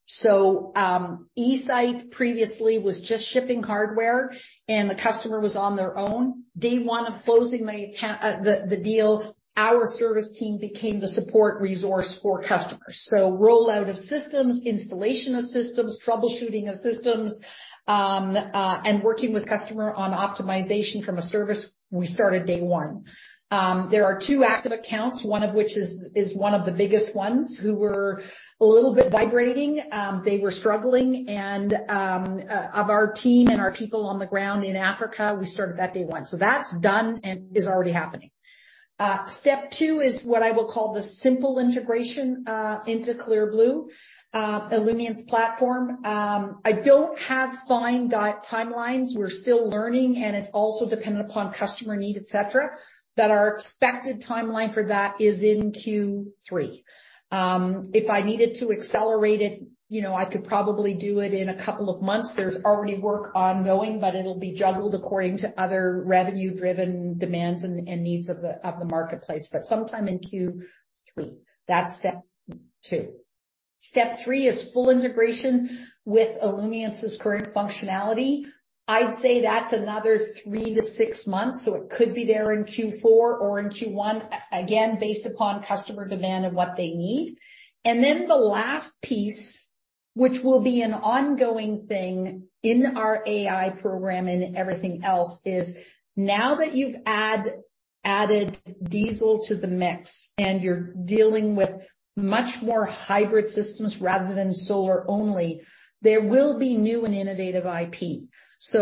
eSite previously was just shipping hardware, and the customer was on their own. Day one of closing the deal, our service team became the support resource for customers. Rollout of systems, installation of systems, troubleshooting of systems, and working with customer on optimization from a service, we started day one. There are two active accounts, one of which is one of the biggest ones who were a little bit vibrating. They were struggling and of our team and our people on the ground in Africa, we started that day one. That's done and is already happening. Step two is what I will call the simple integration into Clear Blue, Illumient's platform. I don't have fine timelines. We're still learning, it's also dependent upon customer need, et cetera. Our expected timeline for that is in Q3. If I needed to accelerate it, you know, I could probably do it in a couple of months. There's already work ongoing, but it'll be juggled according to other revenue-driven demands and needs of the marketplace, but sometime in Q3. That's step two. Step three is full integration with Illumient's current functionality. I'd say that's another three-six months, so it could be there in Q4 or in Q1, again, based upon customer demand and what they need. The last piece, which will be an ongoing thing in our AI program and everything else, is now that you've added diesel to the mix, and you're dealing with much more hybrid systems rather than solar only, there will be new and innovative IP.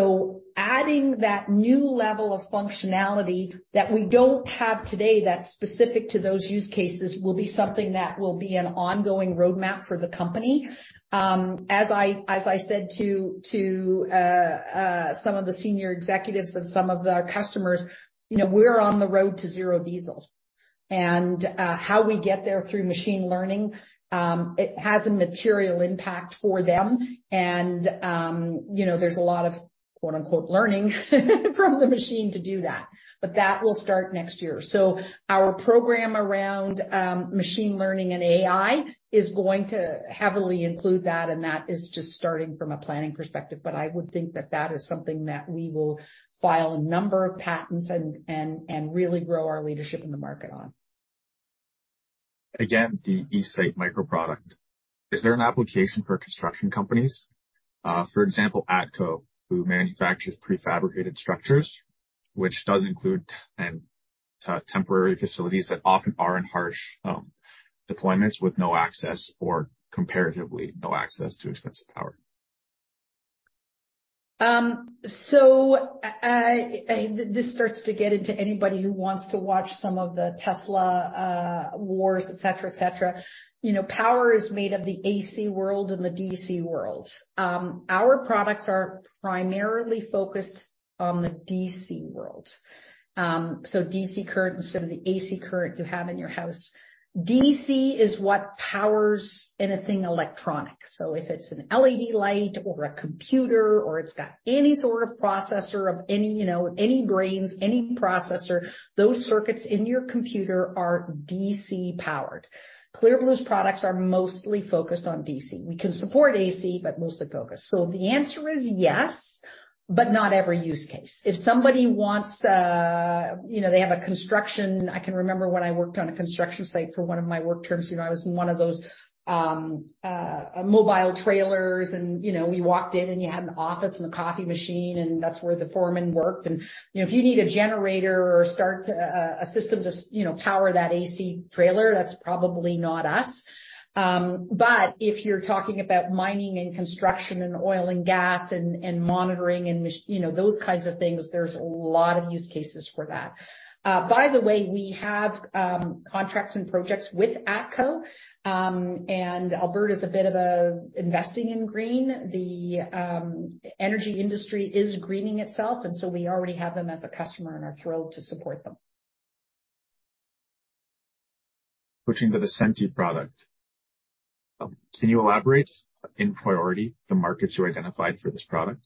Adding that new level of functionality that we don't have today that's specific to those use cases will be something that will be an ongoing roadmap for the company. As I said to some of the senior executives of some of our customers, you know, we're on the road to zero diesel. How we get there through machine learning, it has a material impact for them and, you know, there's a lot of quote-unquote "learning" from the machine to do that. That will start next year. Our program around machine learning and AI is going to heavily include that, and that is just starting from a planning perspective. I would think that that is something that we will file a number of patents and really grow our leadership in the market on. Again, the eSite-Micro product. Is there an application for construction companies? For example, ATCO, who manufactures prefabricated structures, which does include temporary facilities that often are in harsh deployments with no access or comparatively no access to expensive power. This starts to get into anybody who wants to watch some of the Tesla wars, et cetera, et cetera. You know, power is made of the AC world and the DC world. Our products are primarily focused on the DC world. DC current instead of the AC current you have in your house. DC is what powers anything electronic. So if it's an LED light or a computer or it's got any sort of processor of any, you know, any brains, any processor, those circuits in your computer are DC-powered. Clear Blue's products are mostly focused on DC. We can support AC, but mostly focused. The answer is yes, but not every use case. If somebody wants, you know, they have a construction... I can remember when I worked on a construction site for one of my work terms, you know, I was in one of those, mobile trailers and, you know, we walked in, and you had an office and a coffee machine, and that's where the foreman worked. You know, if you need a generator or start, a system to you know, power that AC trailer, that's probably not us. If you're talking about mining and construction and oil and gas and, monitoring and you know, those kinds of things, there's a lot of use cases for that. By the way, we have contracts and projects with ATCO. Alberta is a bit of a investing in green. The energy industry is greening itself, so we already have them as a customer and are thrilled to support them. Switching to the Senti product. Can you elaborate in priority the markets you identified for this product?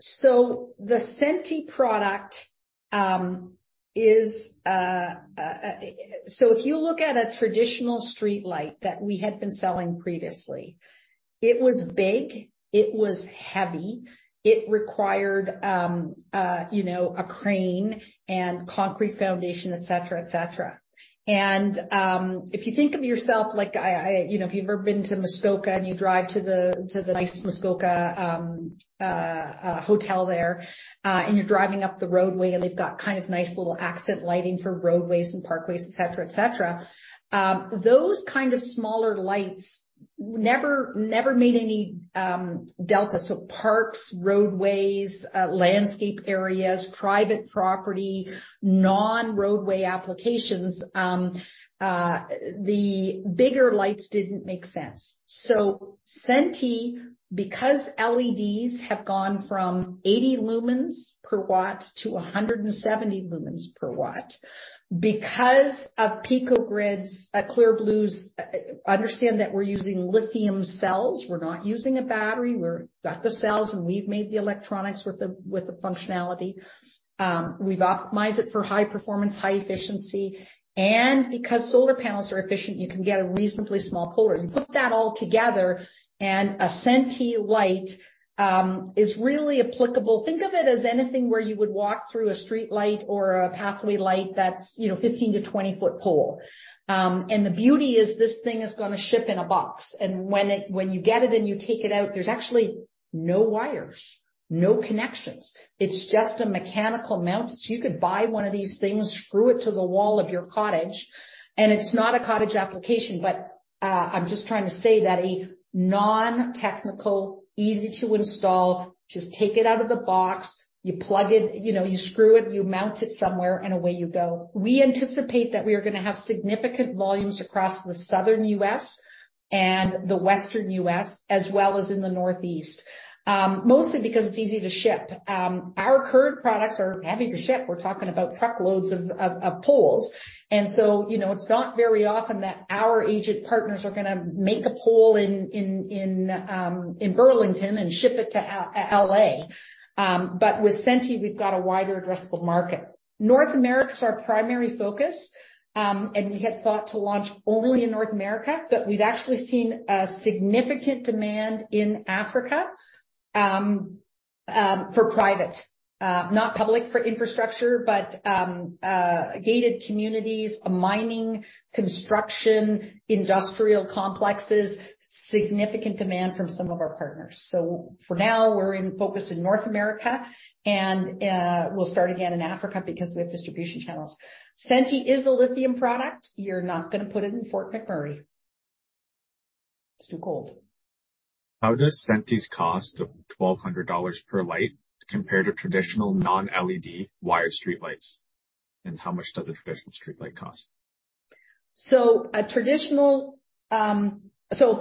The Senti product is, so if you look at a traditional streetlight that we had been selling previously, it was big, it was heavy, it required, you know, a crane and concrete foundation, et cetera, et cetera. If you think of yourself like You know, if you've ever been to Muskoka, and you drive to the, to the nice Muskoka hotel there, and you're driving up the roadway, and they've got kind of nice little accent lighting for roadways and parkways, et cetera, et cetera. Those kind of smaller lights never made any delta. Parks, roadways, landscape areas, private property, non-roadway applications, the bigger lights didn't make sense. Senti, because LEDs have gone from 80 lumens per watt to 170 lumens per watt. Because of Pico-Grids, Clear Blue's understand that we're using lithium cells. We're not using a battery. We've got the cells, and we've made the electronics with the functionality. We've optimized it for high performance, high efficiency, and because solar panels are efficient, you can get a reasonably small pole. You put that all together, and a Senti light is really applicable. Think of it as anything where you would walk through a streetlight or a pathway light that's, you know, 15 to 20-foot pole. And the beauty is this thing is gonna ship in a box, and when you get it and you take it out, there's actually no wires, no connections. It's just a mechanical mount. You could buy one of these things, screw it to the wall of your cottage, and it's not a cottage application, but I'm just trying to say that a non-technical, easy to install, just take it out of the box, you plug it, you know, you screw it, you mount it somewhere, and away you go. We anticipate that we are gonna have significant volumes across the Southern U.S. and the Western U.S. as well as in the Northeast. Mostly because it's easy to ship. Our current products are heavy to ship. We're talking about truckloads of poles. You know, it's not very often that our agent partners are gonna make a pole in Burlington and ship it to L.A., but with Senti, we've got a wider addressable market. North America is our primary focus, we had thought to launch only in North America, but we've actually seen a significant demand in Africa. For private, not public for infrastructure, but gated communities, mining, construction, industrial complexes, significant demand from some of our partners. For now, we're in focus in North America, we'll start again in Africa because we have distribution channels. Senti is a lithium product. You're not gonna put it in Fort McMurray. It's too cold. How does Senti's cost of 1,200 dollars per light compare to traditional non-LED wired streetlights? How much does a traditional streetlight cost?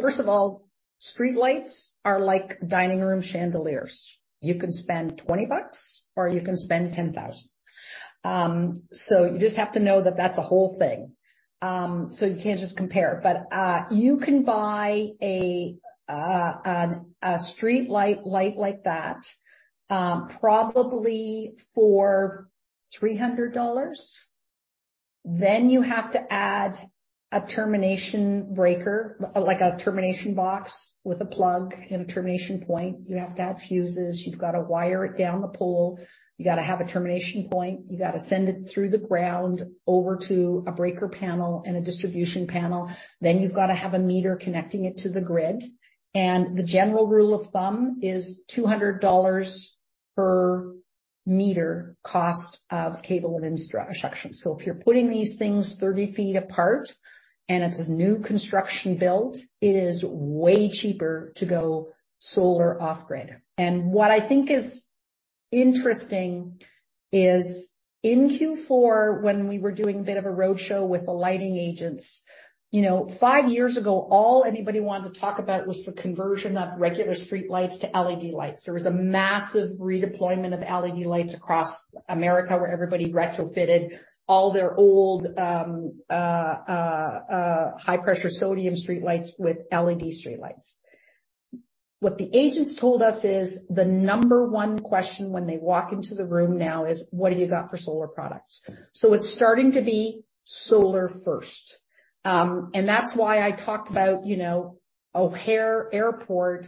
First of all, streetlights are like dining room chandeliers. You can spend 20 bucks or you can spend 10,000. You just have to know that that's a whole thing. You can't just compare. You can buy a streetlight light like that, probably for 300 dollars. You have to add a termination breaker, like a termination box with a plug and a termination point. You have to have fuses. You've got to wire it down the pole. You got to have a termination point. You got to send it through the ground over to a breaker panel and a distribution panel. You've got to have a meter connecting it to the grid. The general rule of thumb is 200 dollars per meter cost of cable and installation. If you're putting these things 30 feet apart and it's a new construction build, it is way cheaper to go solar off-grid. What I think is interesting is in Q4 when we were doing a bit of a roadshow with the lighting agents, you know, five years ago, all anybody wanted to talk about was the conversion of regular streetlights to LED lights. There was a massive redeployment of LED lights across America, where everybody retrofitted all their old high-pressure sodium streetlights with LED streetlights. What the agents told us is the number one question when they walk into the room now is, "What have you got for solar products?" It's starting to be solar first. That's why I talked about, you know, O'Hare Airport,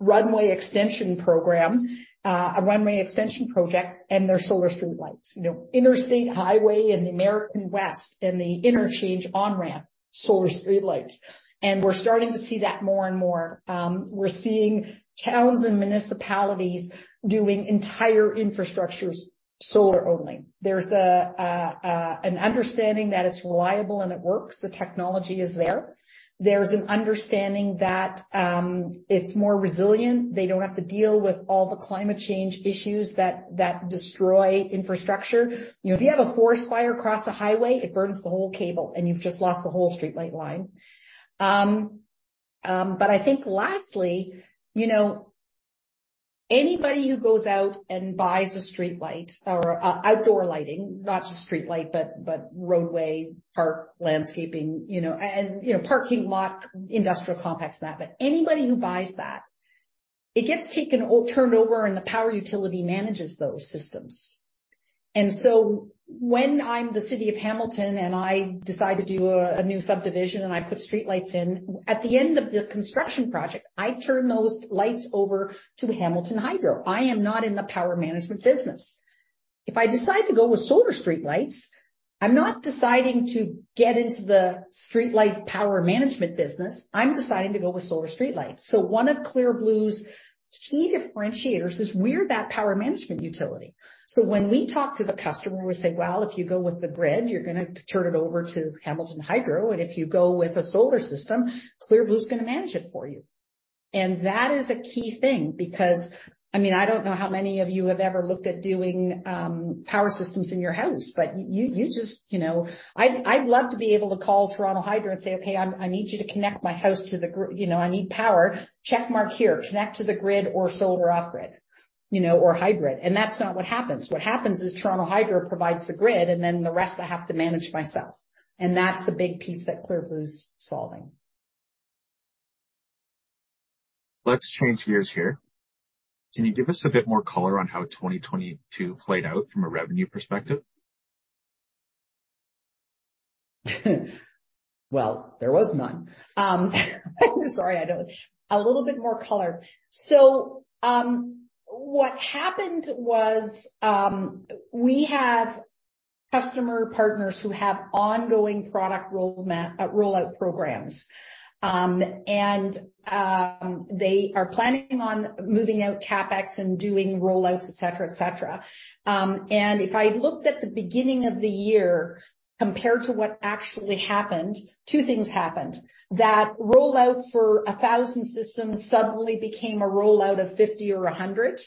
runway extension program, a runway extension project and their solar streetlights. You know, interstate highway in the American West and the interchange on-ramp, solar streetlights. We're starting to see that more and more. We're seeing towns and municipalities doing entire infrastructures solar only. There's an understanding that it's reliable and it works, the technology is there. There's an understanding that it's more resilient. They don't have to deal with all the climate change issues that destroy infrastructure. You know, if you have a forest fire across a highway, it burns the whole cable, and you've just lost the whole streetlight line. I think lastly, you know, anybody who goes out and buys a streetlight or outdoor lighting, not just streetlight, but roadway, park, landscaping, parking lot, industrial complex, and that, anybody who buys that, it gets taken or turned over and the power utility manages those systems. When I'm the City of Hamilton and I decide to do a new subdivision and I put streetlights in, at the end of the construction project, I turn those lights over to the Hamilton Hydro. I am not in the power management business. If I decide to go with solar streetlights, I'm not deciding to get into the streetlight power management business, I'm deciding to go with solar streetlights. One of Clear Blue's key differentiators is we're that power management utility. When we talk to the customer, we say, "Well, if you go with the grid, you're gonna turn it over to Hamilton Hydro, and if you go with a solar system, Clear Blue's gonna manage it for you." That is a key thing because, I mean, I don't know how many of you have ever looked at doing power systems in your house, but you just, you know. I'd love to be able to call Toronto Hydro and say, "Okay, I need you to connect my house to the, you know, I need power. Checkmark here. Connect to the grid or solar off-grid, you know, or hybrid." That's not what happens. What happens is Toronto Hydro provides the grid, and then the rest I have to manage myself. That's the big piece that Clear Blue's solving. Let's change gears here. Can you give us a bit more color on how 2022 played out from a revenue perspective? Well, there was none. Sorry, I don't. A little bit more color. What happened was, we have customer partners who have ongoing product rollout programs. They are planning on moving out CapEx and doing rollouts, et cetera, et cetera. If I looked at the beginning of the year compared to what actually happened, two things happened. That rollout for 1,000 systems suddenly became a rollout of 50 or 100.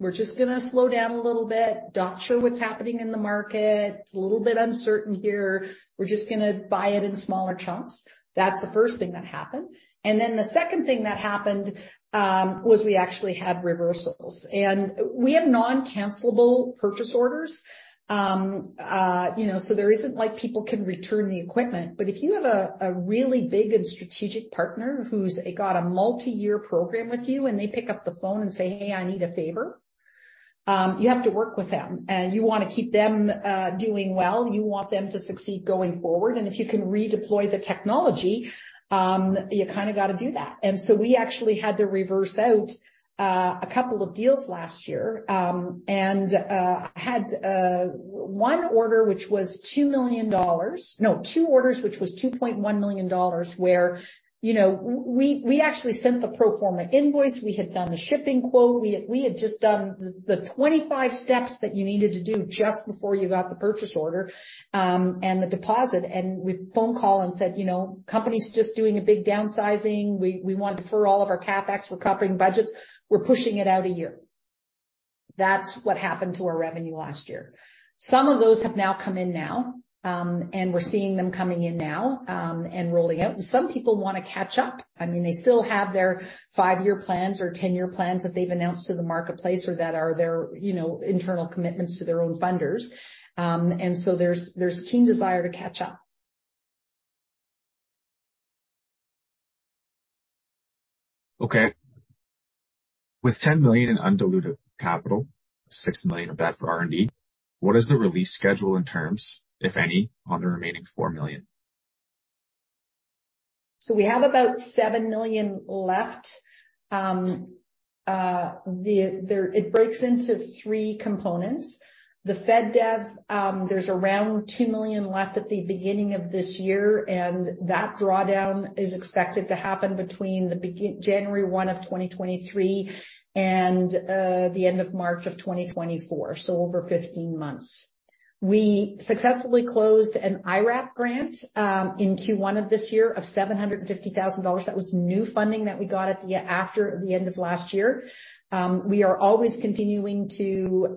We're just gonna slow down a little bit. Not sure what's happening in the market. It's a little bit uncertain here. We're just gonna buy it in smaller chunks. That's the first thing that happened. Then the second thing that happened was we actually had reversals. We have non-cancelable purchase orders, you know, so there isn't like people can return the equipment. If you have a really big and strategic partner who's got a multi-year program with you and they pick up the phone and say, "Hey, I need a favor." You have to work with them, and you wanna keep them doing well. You want them to succeed going forward. If you can redeploy the technology, you kinda gotta do that. We actually had to reverse out a couple of deals last year and had one order which was 2 million dollars. No, 2 orders which was 2.1 million dollars, where, you know, we actually sent the pro forma invoice. We had done the shipping quote. We had just done the 25 steps that you needed to do just before you got the purchase order, and the deposit. We phone call and said, "You know, company's just doing a big downsizing. We want to defer all of our CapEx. We're cutting budgets. We're pushing it out a year." That's what happened to our revenue last year. Some of those have now come in now, and we're seeing them coming in now, and rolling out. Some people wanna catch up. I mean, they still have their five year plans or 10 year plans that they've announced to the marketplace or that are their, you know, internal commitments to their own funders. So there's keen desire to catch up. Okay. With 10 million in undiluted capital, 6 million of that for R&D, what is the release schedule and terms, if any, on the remaining 4 million? We have about 7 million left. It breaks into three components. The FedDev, there's around 2 million left at the beginning of this year, and that drawdown is expected to happen between January 1, 2023 and the end of March 2024, so over 15 months. We successfully closed an IRAP grant in Q1 of this year of 750,000 dollars. That was new funding that we got after the end of last year. We are always continuing to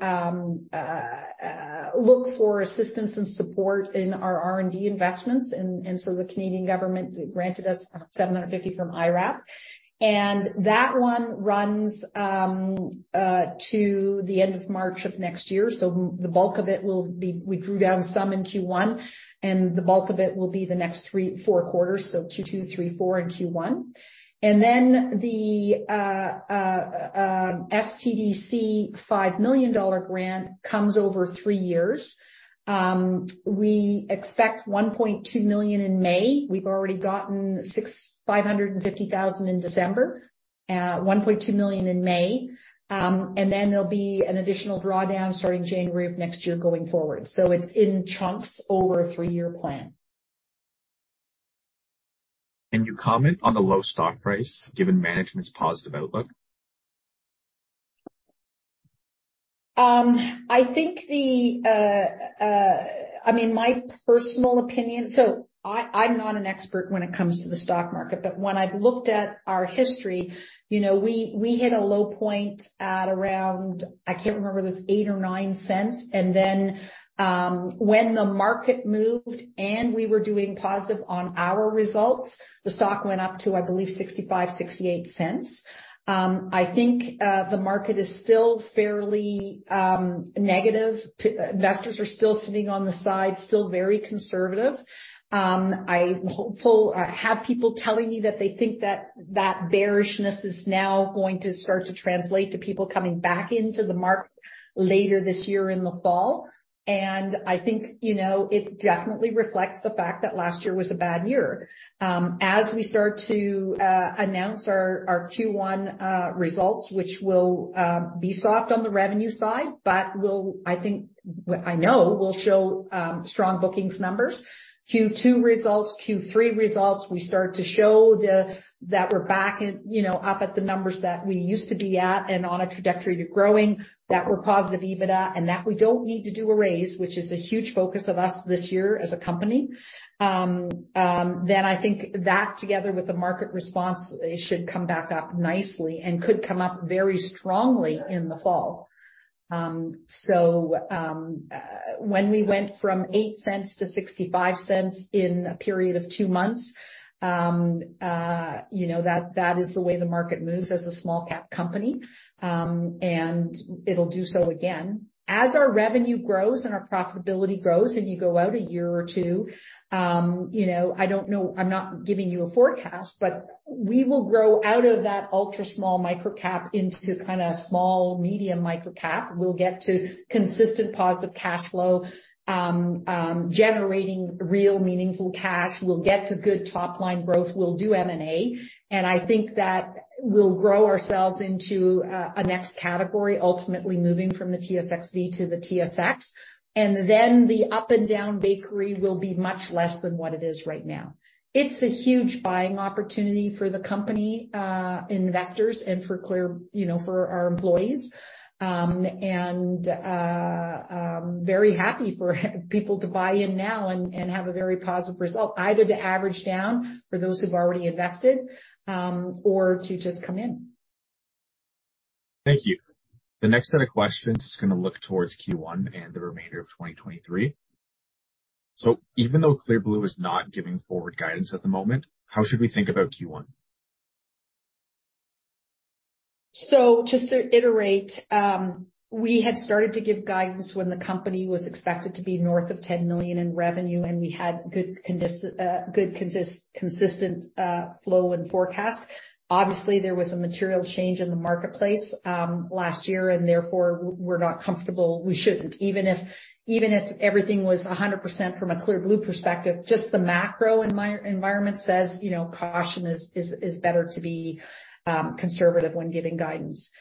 look for assistance and support in our R&D investments, the Canadian government granted us 750 from IRAP. That one runs to the end of March of next year. We drew down some in Q1, and the bulk of it will be the next 3, 4 quarters, so Q2, 3, 4 and Q1. The SDTC 5 million dollar grant comes over three years. We expect 1.2 million in May. We've already gotten 550,000 in December, 1.2 million in May. There'll be an additional drawdown starting January of next year going forward. It's in chunks over a three year plan. Can you comment on the low stock price given management's positive outlook? I think the, I mean, my personal opinion. I'm not an expert when it comes to the stock market, but when I've looked at our history, you know, we hit a low point at around, I can't remember if it was 0.08 or 0.09. When the market moved and we were doing positive on our results, the stock went up to, I believe, 0.65, 0.68. I think the market is still fairly negative. Investors are still sitting on the side, still very conservative. I'm hopeful. I have people telling me that they think that that bearishness is now going to start to translate to people coming back into the market later this year in the fall. I think, you know, it definitely reflects the fact that last year was a bad year. As we start to announce our Q1 results, which will be soft on the revenue side, will, I think, I know will show strong bookings numbers. Q2 results, Q3 results, we start to show that we're back and, you know, up at the numbers that we used to be at and on a trajectory to growing, that we're positive EBITDA, and that we don't need to do a raise, which is a huge focus of us this year as a company. I think that together with the market response, it should come back up nicely and could come up very strongly in the fall. When we went from 0.08 to 0.65 in a period of two months, you know, that is the way the market moves as a small-cap company. It'll do so again. As our revenue grows and our profitability grows, and you go out a year or two, you know, I don't know, I'm not giving you a forecast, but we will grow out of that ultra-small microcap into kinda small-medium microcap. We'll get to consistent positive cash flow, generating real meaningful cash. We'll get to good top-line growth. We'll do M&A. I think that we'll grow ourselves into a next category, ultimately moving from the TSXV to the TSX. The up and down bakery will be much less than what it is right now. It's a huge buying opportunity for the company, investors and for Clear, you know, for our employees. Very happy for people to buy in now and have a very positive result, either to average down for those who've already invested, or to just come in. Thank you. The next set of questions is gonna look towards Q1 and the remainder of 2023. Even though Clear Blue is not giving forward guidance at the moment, how should we think about Q1? Just to iterate, we had started to give guidance when the company was expected to be north of 10 million in revenue, and we had good consistent flow and forecast. Obviously, there was a material change in the marketplace last year, and therefore we're not comfortable. We shouldn't. Even if everything was 100% from a Clear Blue perspective, just the macro environment says, you know, caution is better to be conservative when giving guidance.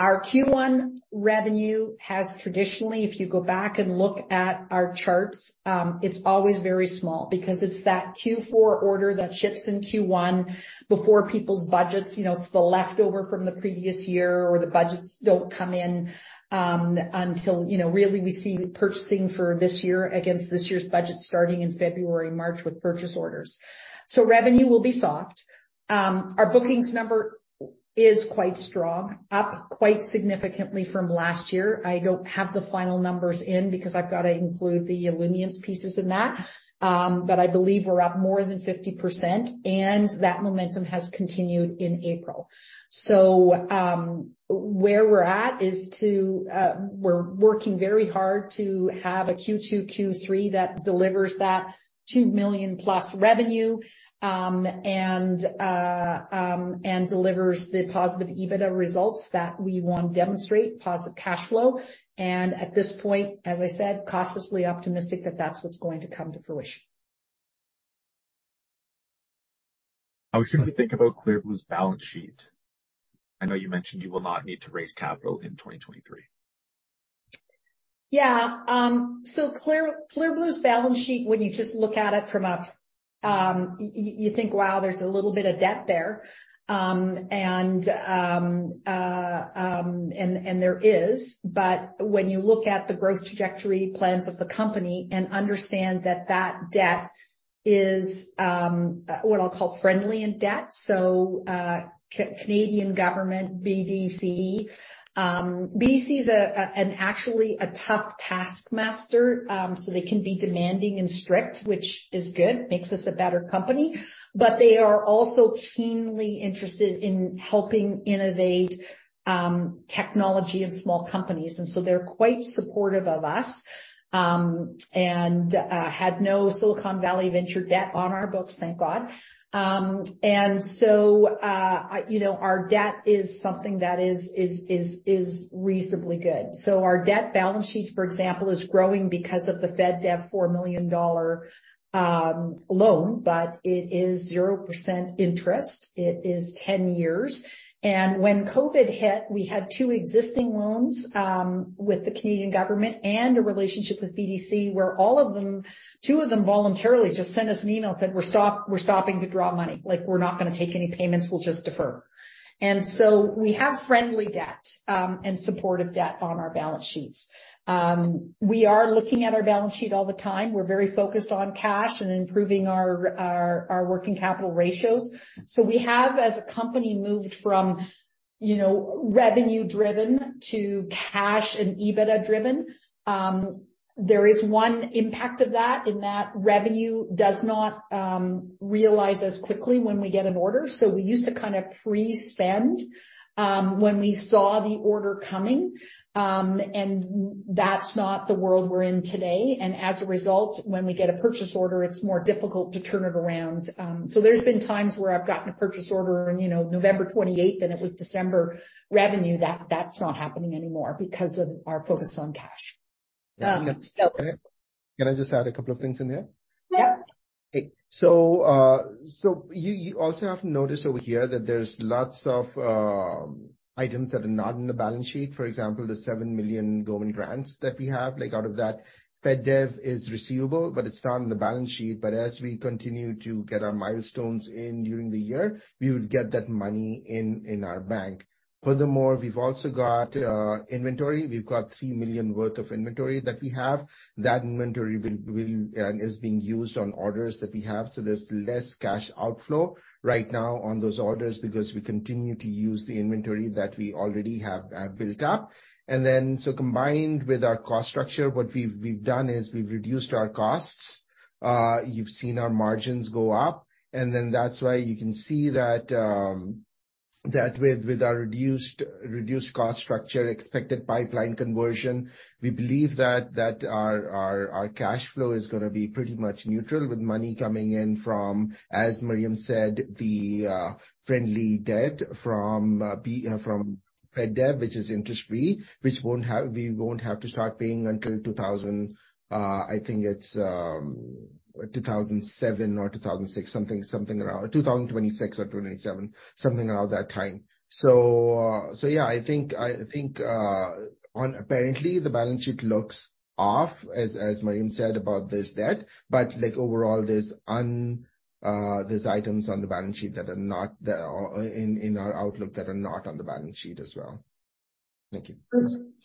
Our Q1 revenue has traditionally, if you go back and look at our charts, it's always very small because it's that Q4 order that ships in Q1 before people's budgets, you know, it's the leftover from the previous year or the budgets don't come in, until, you know, really we see purchasing for this year against this year's budget starting in February, March with purchase orders. Revenue will be soft. Our bookings number is quite strong, up quite significantly from last year. I don't have the final numbers in because I've got to include the Illumience pieces in that. I believe we're up more than 50%, and that momentum has continued in April. Where we're at is to we're working very hard to have a Q2, Q3 that delivers that 2 million+ revenue and delivers the positive EBITDA results that we want to demonstrate, positive cash flow. At this point, as I said, cautiously optimistic that that's what's going to come to fruition. I was trying to think about Clear Blue's balance sheet. I know you mentioned you will not need to raise capital in 2023. So Clear Blue's balance sheet, when you just look at it from a, you think, wow, there's a little bit of debt there. There is. When you look at the growth trajectory plans of the company and understand that that debt is what I'll call friendly in debt. Canadian government, BDC. BDC is actually a tough task master. They can be demanding and strict, which is good, makes us a better company. They are also keenly interested in helping innovate technology in small companies. They're quite supportive of us, and had no Silicon Valley venture debt on our books, thank God. You know, our debt is something that is reasonably good. Our debt balance sheet, for example, is growing because of the FedDev 4 million dollar loan. It is 0% interest. It is 10 years. When COVID hit, we had 2 existing loans with the Canadian government and a relationship with BDC, where two of them voluntarily just sent us an email said, "We're stopping to draw money, like, we're not gonna take any payments. We'll just defer." We have friendly debt and supportive debt on our balance sheets. We are looking at our balance sheet all the time. We're very focused on cash and improving our working capital ratios. We have, as a company, moved from, you know, revenue-driven to cash and EBITDA-driven. There is one impact of that, in that revenue does not realize as quickly when we get an order. We used to kind of pre-spend when we saw the order coming. That's not the world we're in today. As a result, when we get a purchase order, it's more difficult to turn it around. There's been times where I've gotten a purchase order in, you know, November 28th, and it was December revenue. That's not happening anymore because of our focus on cash. Can I just add a couple of things in there? Yeah. You also have to notice over here that there's lots of items that are not in the balance sheet. For example, the 7 million government grants that we have. Like, out of that FedDev is receivable, but it's not on the balance sheet. As we continue to get our milestones in during the year, we would get that money in our bank. Furthermore, we've also got inventory. We've got 3 million worth of inventory that we have. That inventory will is being used on orders that we have, so there's less cash outflow right now on those orders because we continue to use the inventory that we already have built up. Combined with our cost structure, what we've done is we've reduced our costs. You've seen our margins go up, that's why you can see that with our reduced cost structure, expected pipeline conversion, we believe that our cash flow is gonna be pretty much neutral with money coming in from, as Miriam said, the friendly debt from FedDev, which is interest-free, we won't have to start paying until 2026 or 2027, something around that time. Yeah, I think, apparently, the balance sheet looks off as Miriam said about this debt, but like overall, there's items on the balance sheet that are not there or in our outlook that are not on the balance sheet as well. Thank you.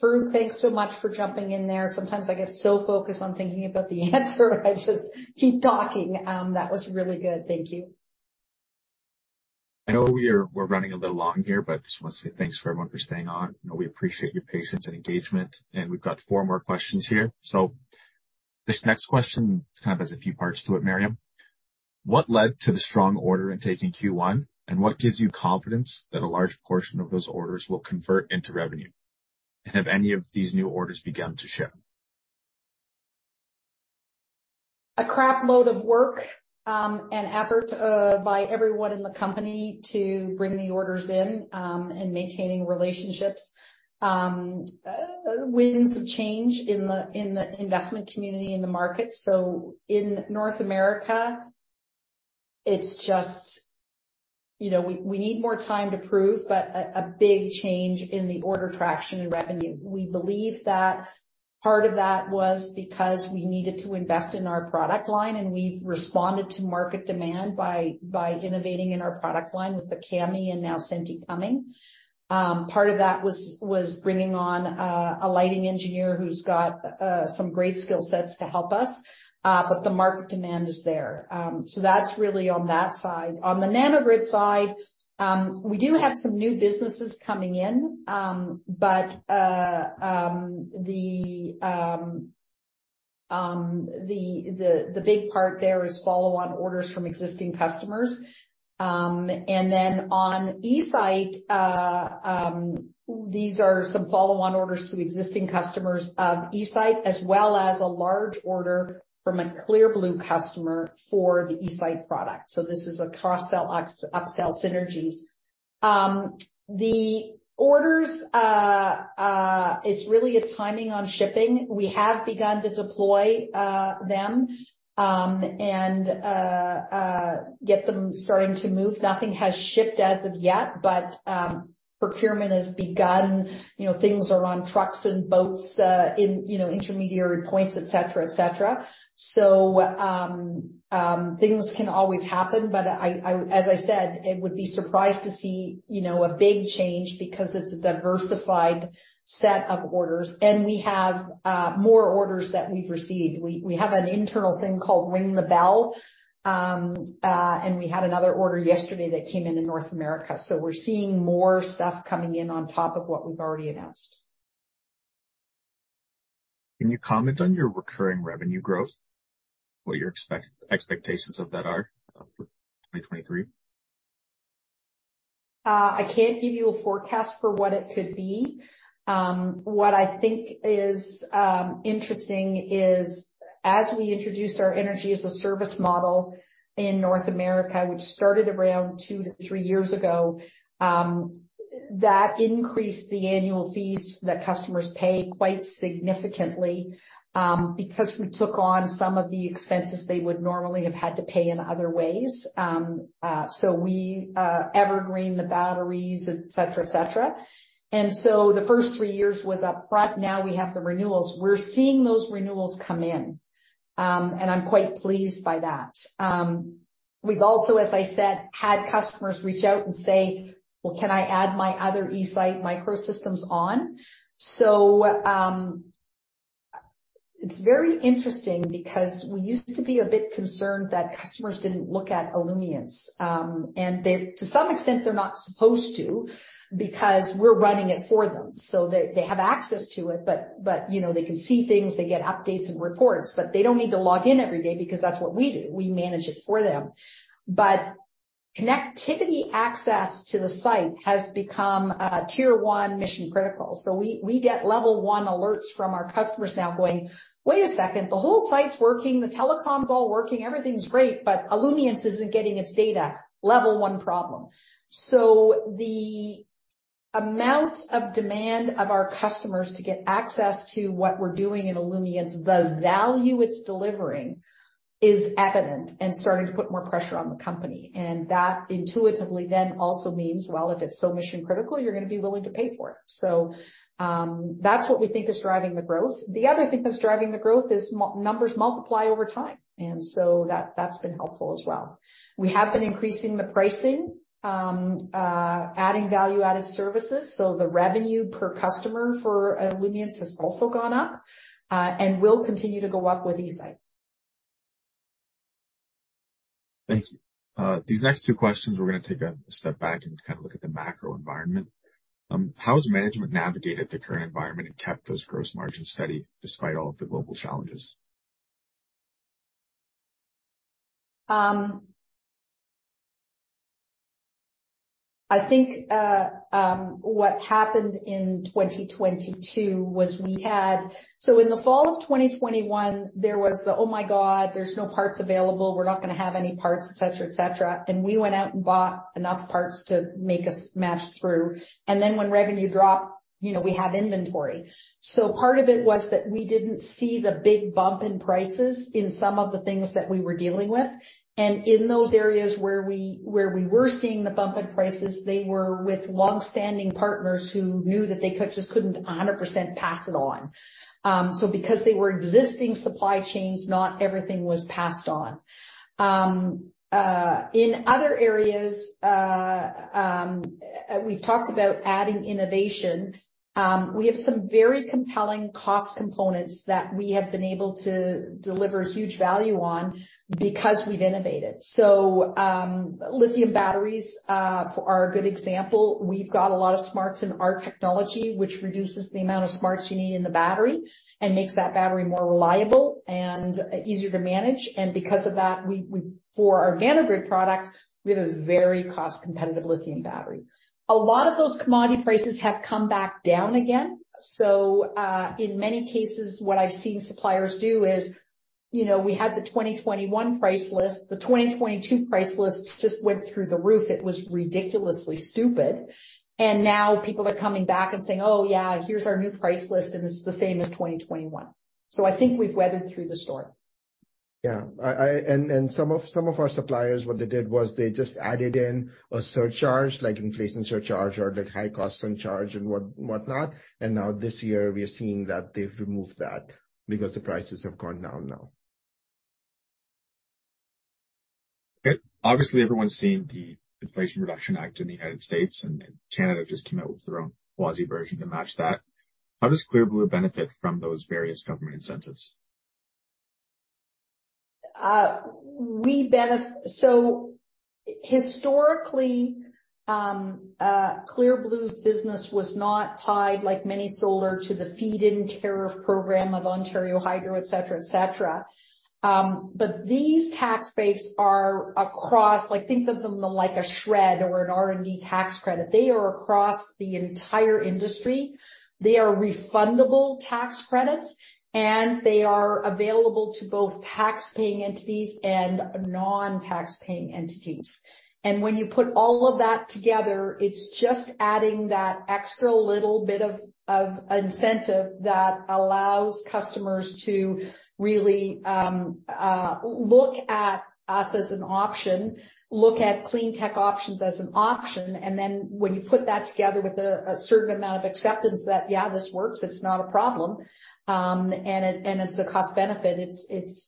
Farooq, thanks so much for jumping in there. Sometimes I get so focused on thinking about the answer I just keep talking. That was really good. Thank you. I know we're running a little long here, I just wanna say thanks for everyone for staying on. You know, we appreciate your patience and engagement. We've got four more questions here. This next question kind of has a few parts to it, Miriam. What led to the strong order in taking Q1, what gives you confidence that a large portion of those orders will convert into revenue? Have any of these new orders begun to ship? A crap load of work and effort by everyone in the company to bring the orders in and maintaining relationships. Winds of change in the investment community in the market. In North America, it's just, you know, we need more time to prove, but a big change in the order traction and revenue. We believe that part of that was because we needed to invest in our product line, and we've responded to market demand by innovating in our product line with the CAMMI and now Senti coming. Part of that was bringing on a lighting engineer who's got some great skill sets to help us, but the market demand is there. So that's really on that side. On the Nano-Grid side, we do have some new businesses coming in, but the big part there is follow on orders from existing customers. On eSite, these are some follow on orders to existing customers of eSite, as well as a large order from a Clear Blue customer for the eSite product. This is a cross-sell upsell synergies. The orders, it's really a timing on shipping. We have begun to deploy them and get them starting to move. Nothing has shipped as of yet, but procurement has begun. You know, things are on trucks and boats, in, you know, intermediary points, et cetera, et cetera. Things can always happen, but as I said, it would be surprised to see, you know, a big change because it's a diversified set of orders, and we have more orders that we've received. We have an internal thing called ring the bell, and we had another order yesterday that came in in North America. We're seeing more stuff coming in on top of what we've already announced. Can you comment on your recurring revenue growth? What your expectations of that are for 2023? I can't give you a forecast for what it could be. What I think is interesting is as we introduced our Energy-as-a-Service model in North America, which started around two to three years ago, that increased the annual fees that customers pay quite significantly, because we took on some of the expenses they would normally have had to pay in other ways. So we evergreen the batteries, et cetera, et cetera. The first three years was upfront. Now we have the renewals. We're seeing those renewals come in, and I'm quite pleased by that. We've also, as I said, had customers reach out and say, "Well, can I add my other eSite microsystems on?" It's very interesting because we used to be a bit concerned that customers didn't look at Illumience, to some extent, they're not supposed to, because we're running it for them. They have access to it, but, you know, they can see things, they get updates and reports, but they don't need to log in every day because that's what we do. We manage it for them. Connectivity access to the site has become a tier 1 mission-critical. We get level 1 alerts from our customers now going, "Wait a second, the whole site's working, the telecom's all working, everything's great, but Illumience isn't getting its data." Level 1 problem. The amount of demand of our customers to get access to what we're doing in Illumience, the value it's delivering is evident and starting to put more pressure on the company. That intuitively then also means, well, if it's so mission-critical, you're gonna be willing to pay for it. That's what we think is driving the growth. The other thing that's driving the growth is numbers multiply over time, and so that's been helpful as well. We have been increasing the pricing, adding value-added services, so the revenue per customer for Illumience has also gone up and will continue to go up with eSite. Thank you. These next two questions, we're gonna take a step back and kind of look at the macro environment. How has management navigated the current environment and kept those gross margins steady despite all of the global challenges? I think what happened in 2022 was in the fall of 2021, there was the, "Oh my god, there's no parts available. We're not gonna have any parts," et cetera, et cetera. We went out and bought enough parts to make us mash through. Then when revenue dropped, you know, we had inventory. Part of it was that we didn't see the big bump in prices in some of the things that we were dealing with. In those areas where we were seeing the bump in prices, they were with long-standing partners who knew that they just couldn't 100% pass it on. Because they were existing supply chains, not everything was passed on. In other areas, we've talked about adding innovation. We have some very compelling cost components that we have been able to deliver huge value on because we've innovated. Lithium batteries are a good example. We've got a lot of smarts in our technology, which reduces the amount of smarts you need in the battery and makes that battery more reliable and easier to manage. Because of that, we for our VanaGrid product, we have a very cost-competitive lithium battery. A lot of those commodity prices have come back down again. In many cases, what I've seen suppliers do is, you know, we had the 2021 price list. The 2022 price list just went through the roof. It was ridiculously stupid. Now people are coming back and saying, "Oh, yeah, here's our new price list, and it's the same as 2021." I think we've weathered through the storm. Yeah. Some of our suppliers, what they did was they just added in a surcharge, like inflation surcharge or like high cost surcharge and whatnot. Now this year we are seeing that they've removed that because the prices have gone down now. Okay. Obviously, everyone's seen the Inflation Reduction Act in the United States, and Canada just came out with their own quasi version to match that. How does Clear Blue benefit from those various government incentives? Historically, Clear Blue's business was not tied, like many solar to the feed-in tariff program of Ontario Hydro, et cetera, et cetera. These tax breaks are across like, think of them like a SR&ED or an R&D tax credit. They are across the entire industry. They are refundable tax credits, and they are available to both tax-paying entities and non-tax-paying entities. When you put all of that together, it's just adding that extra little bit of incentive that allows customers to really look at us as an option, look at cleantech options as an option. When you put that together with a certain amount of acceptance that, yeah, this works, it's not a problem, and it, and it's the cost benefit, it's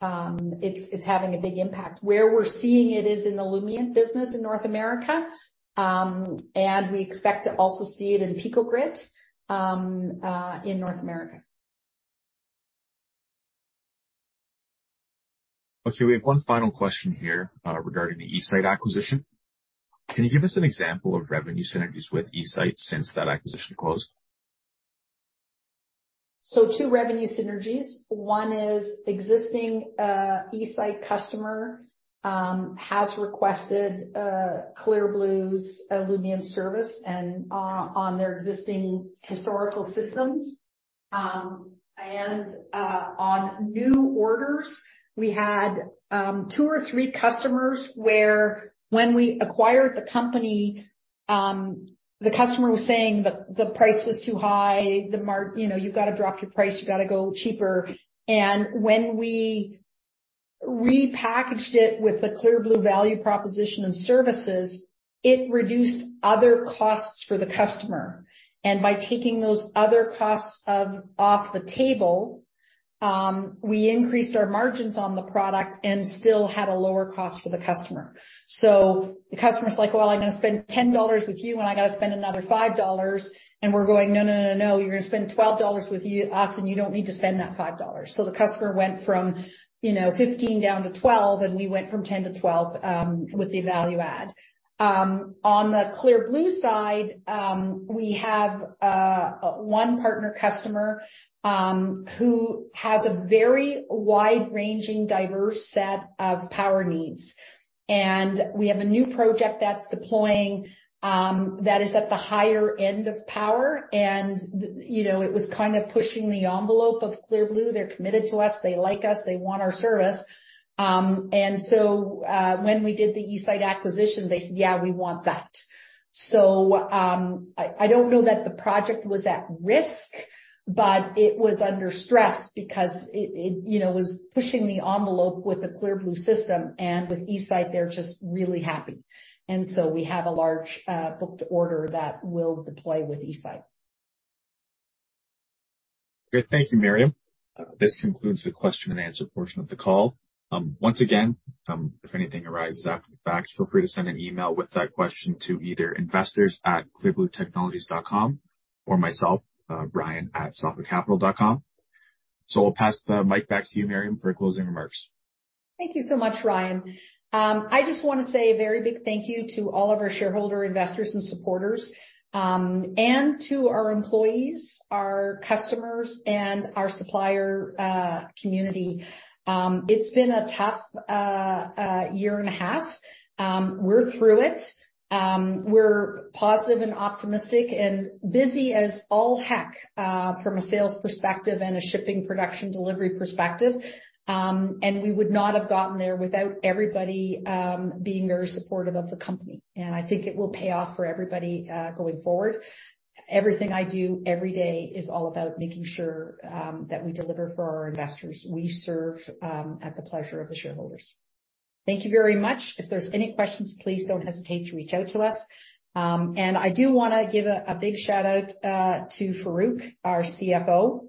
having a big impact. Where we're seeing it is in the Illumient business in North America, and we expect to also see it in Pico-Grid, in North America. We have one final question here, regarding the eSite acquisition. Can you give us an example of revenue synergies with eSite since that acquisition closed? 2 revenue synergies. One is existing eSite customer has requested Clear Blue's Illumient service and on their existing historical systems. On new orders, we had 2 or 3 customers where when we acquired the company, the customer was saying the price was too high. You know, "You gotta drop your price, you gotta go cheaper." When we repackaged it with the Clear Blue value proposition and services, it reduced other costs for the customer. By taking those other costs of off the table, we increased our margins on the product and still had a lower cost for the customer. The customer's like, "Well, I'm gonna spend 10 dollars with you, and I gotta spend another 5 dollars." We're going, "No, no, no. You're gonna spend 12 dollars with us, and you don't need to spend that 5 dollars. The customer went from, you know, 15 down to 12, and we went from 10 to 12 with the value add. On the Clear Blue side, we have one partner customer who has a very wide-ranging, diverse set of power needs. We have a new project that's deploying that is at the higher end of power and, you know, it was kind of pushing the envelope of Clear Blue. They're committed to us. They like us. They want our service. When we did the eSite acquisition, they said, "Yeah, we want that." I don't know that the project was at risk, but it was under stress because it, you know, was pushing the envelope with the Clear Blue system, and with eSite, they're just really happy. We have a large booked order that we'll deploy with eSite. Great. Thank you, Miriam. This concludes the question and answer portion of the call. Once again, if anything arises after the fact, feel free to send an email with that question to either investors@clearbluetechnologies.com or myself, ryan@salfordcapital.com. I'll pass the mic back to you, Miriam, for closing remarks. Thank you so much, Ryan. I just wanna say a very big thank you to all of our shareholder investors and supporters, and to our employees, our customers, and our supplier community. It's been a tough year and a half. We're through it. We're positive and optimistic and busy as all heck from a sales perspective and a shipping production delivery perspective. We would not have gotten there without everybody being very supportive of the company. I think it will pay off for everybody going forward. Everything I do every day is all about making sure that we deliver for our investors. We serve at the pleasure of the shareholders. Thank you very much. If there's any questions, please don't hesitate to reach out to us. I do wanna give a big shout-out to Farouk, our CFO.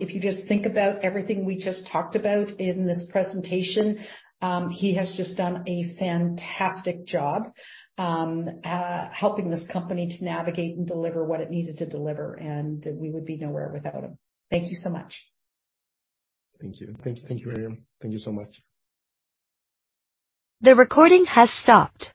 If you just think about everything we just talked about in this presentation, he has just done a fantastic job helping this company to navigate and deliver what it needed to deliver, and we would be nowhere without him. Thank you so much. Thank you. Thank you, Miriam. Thank you so much. The recording has stopped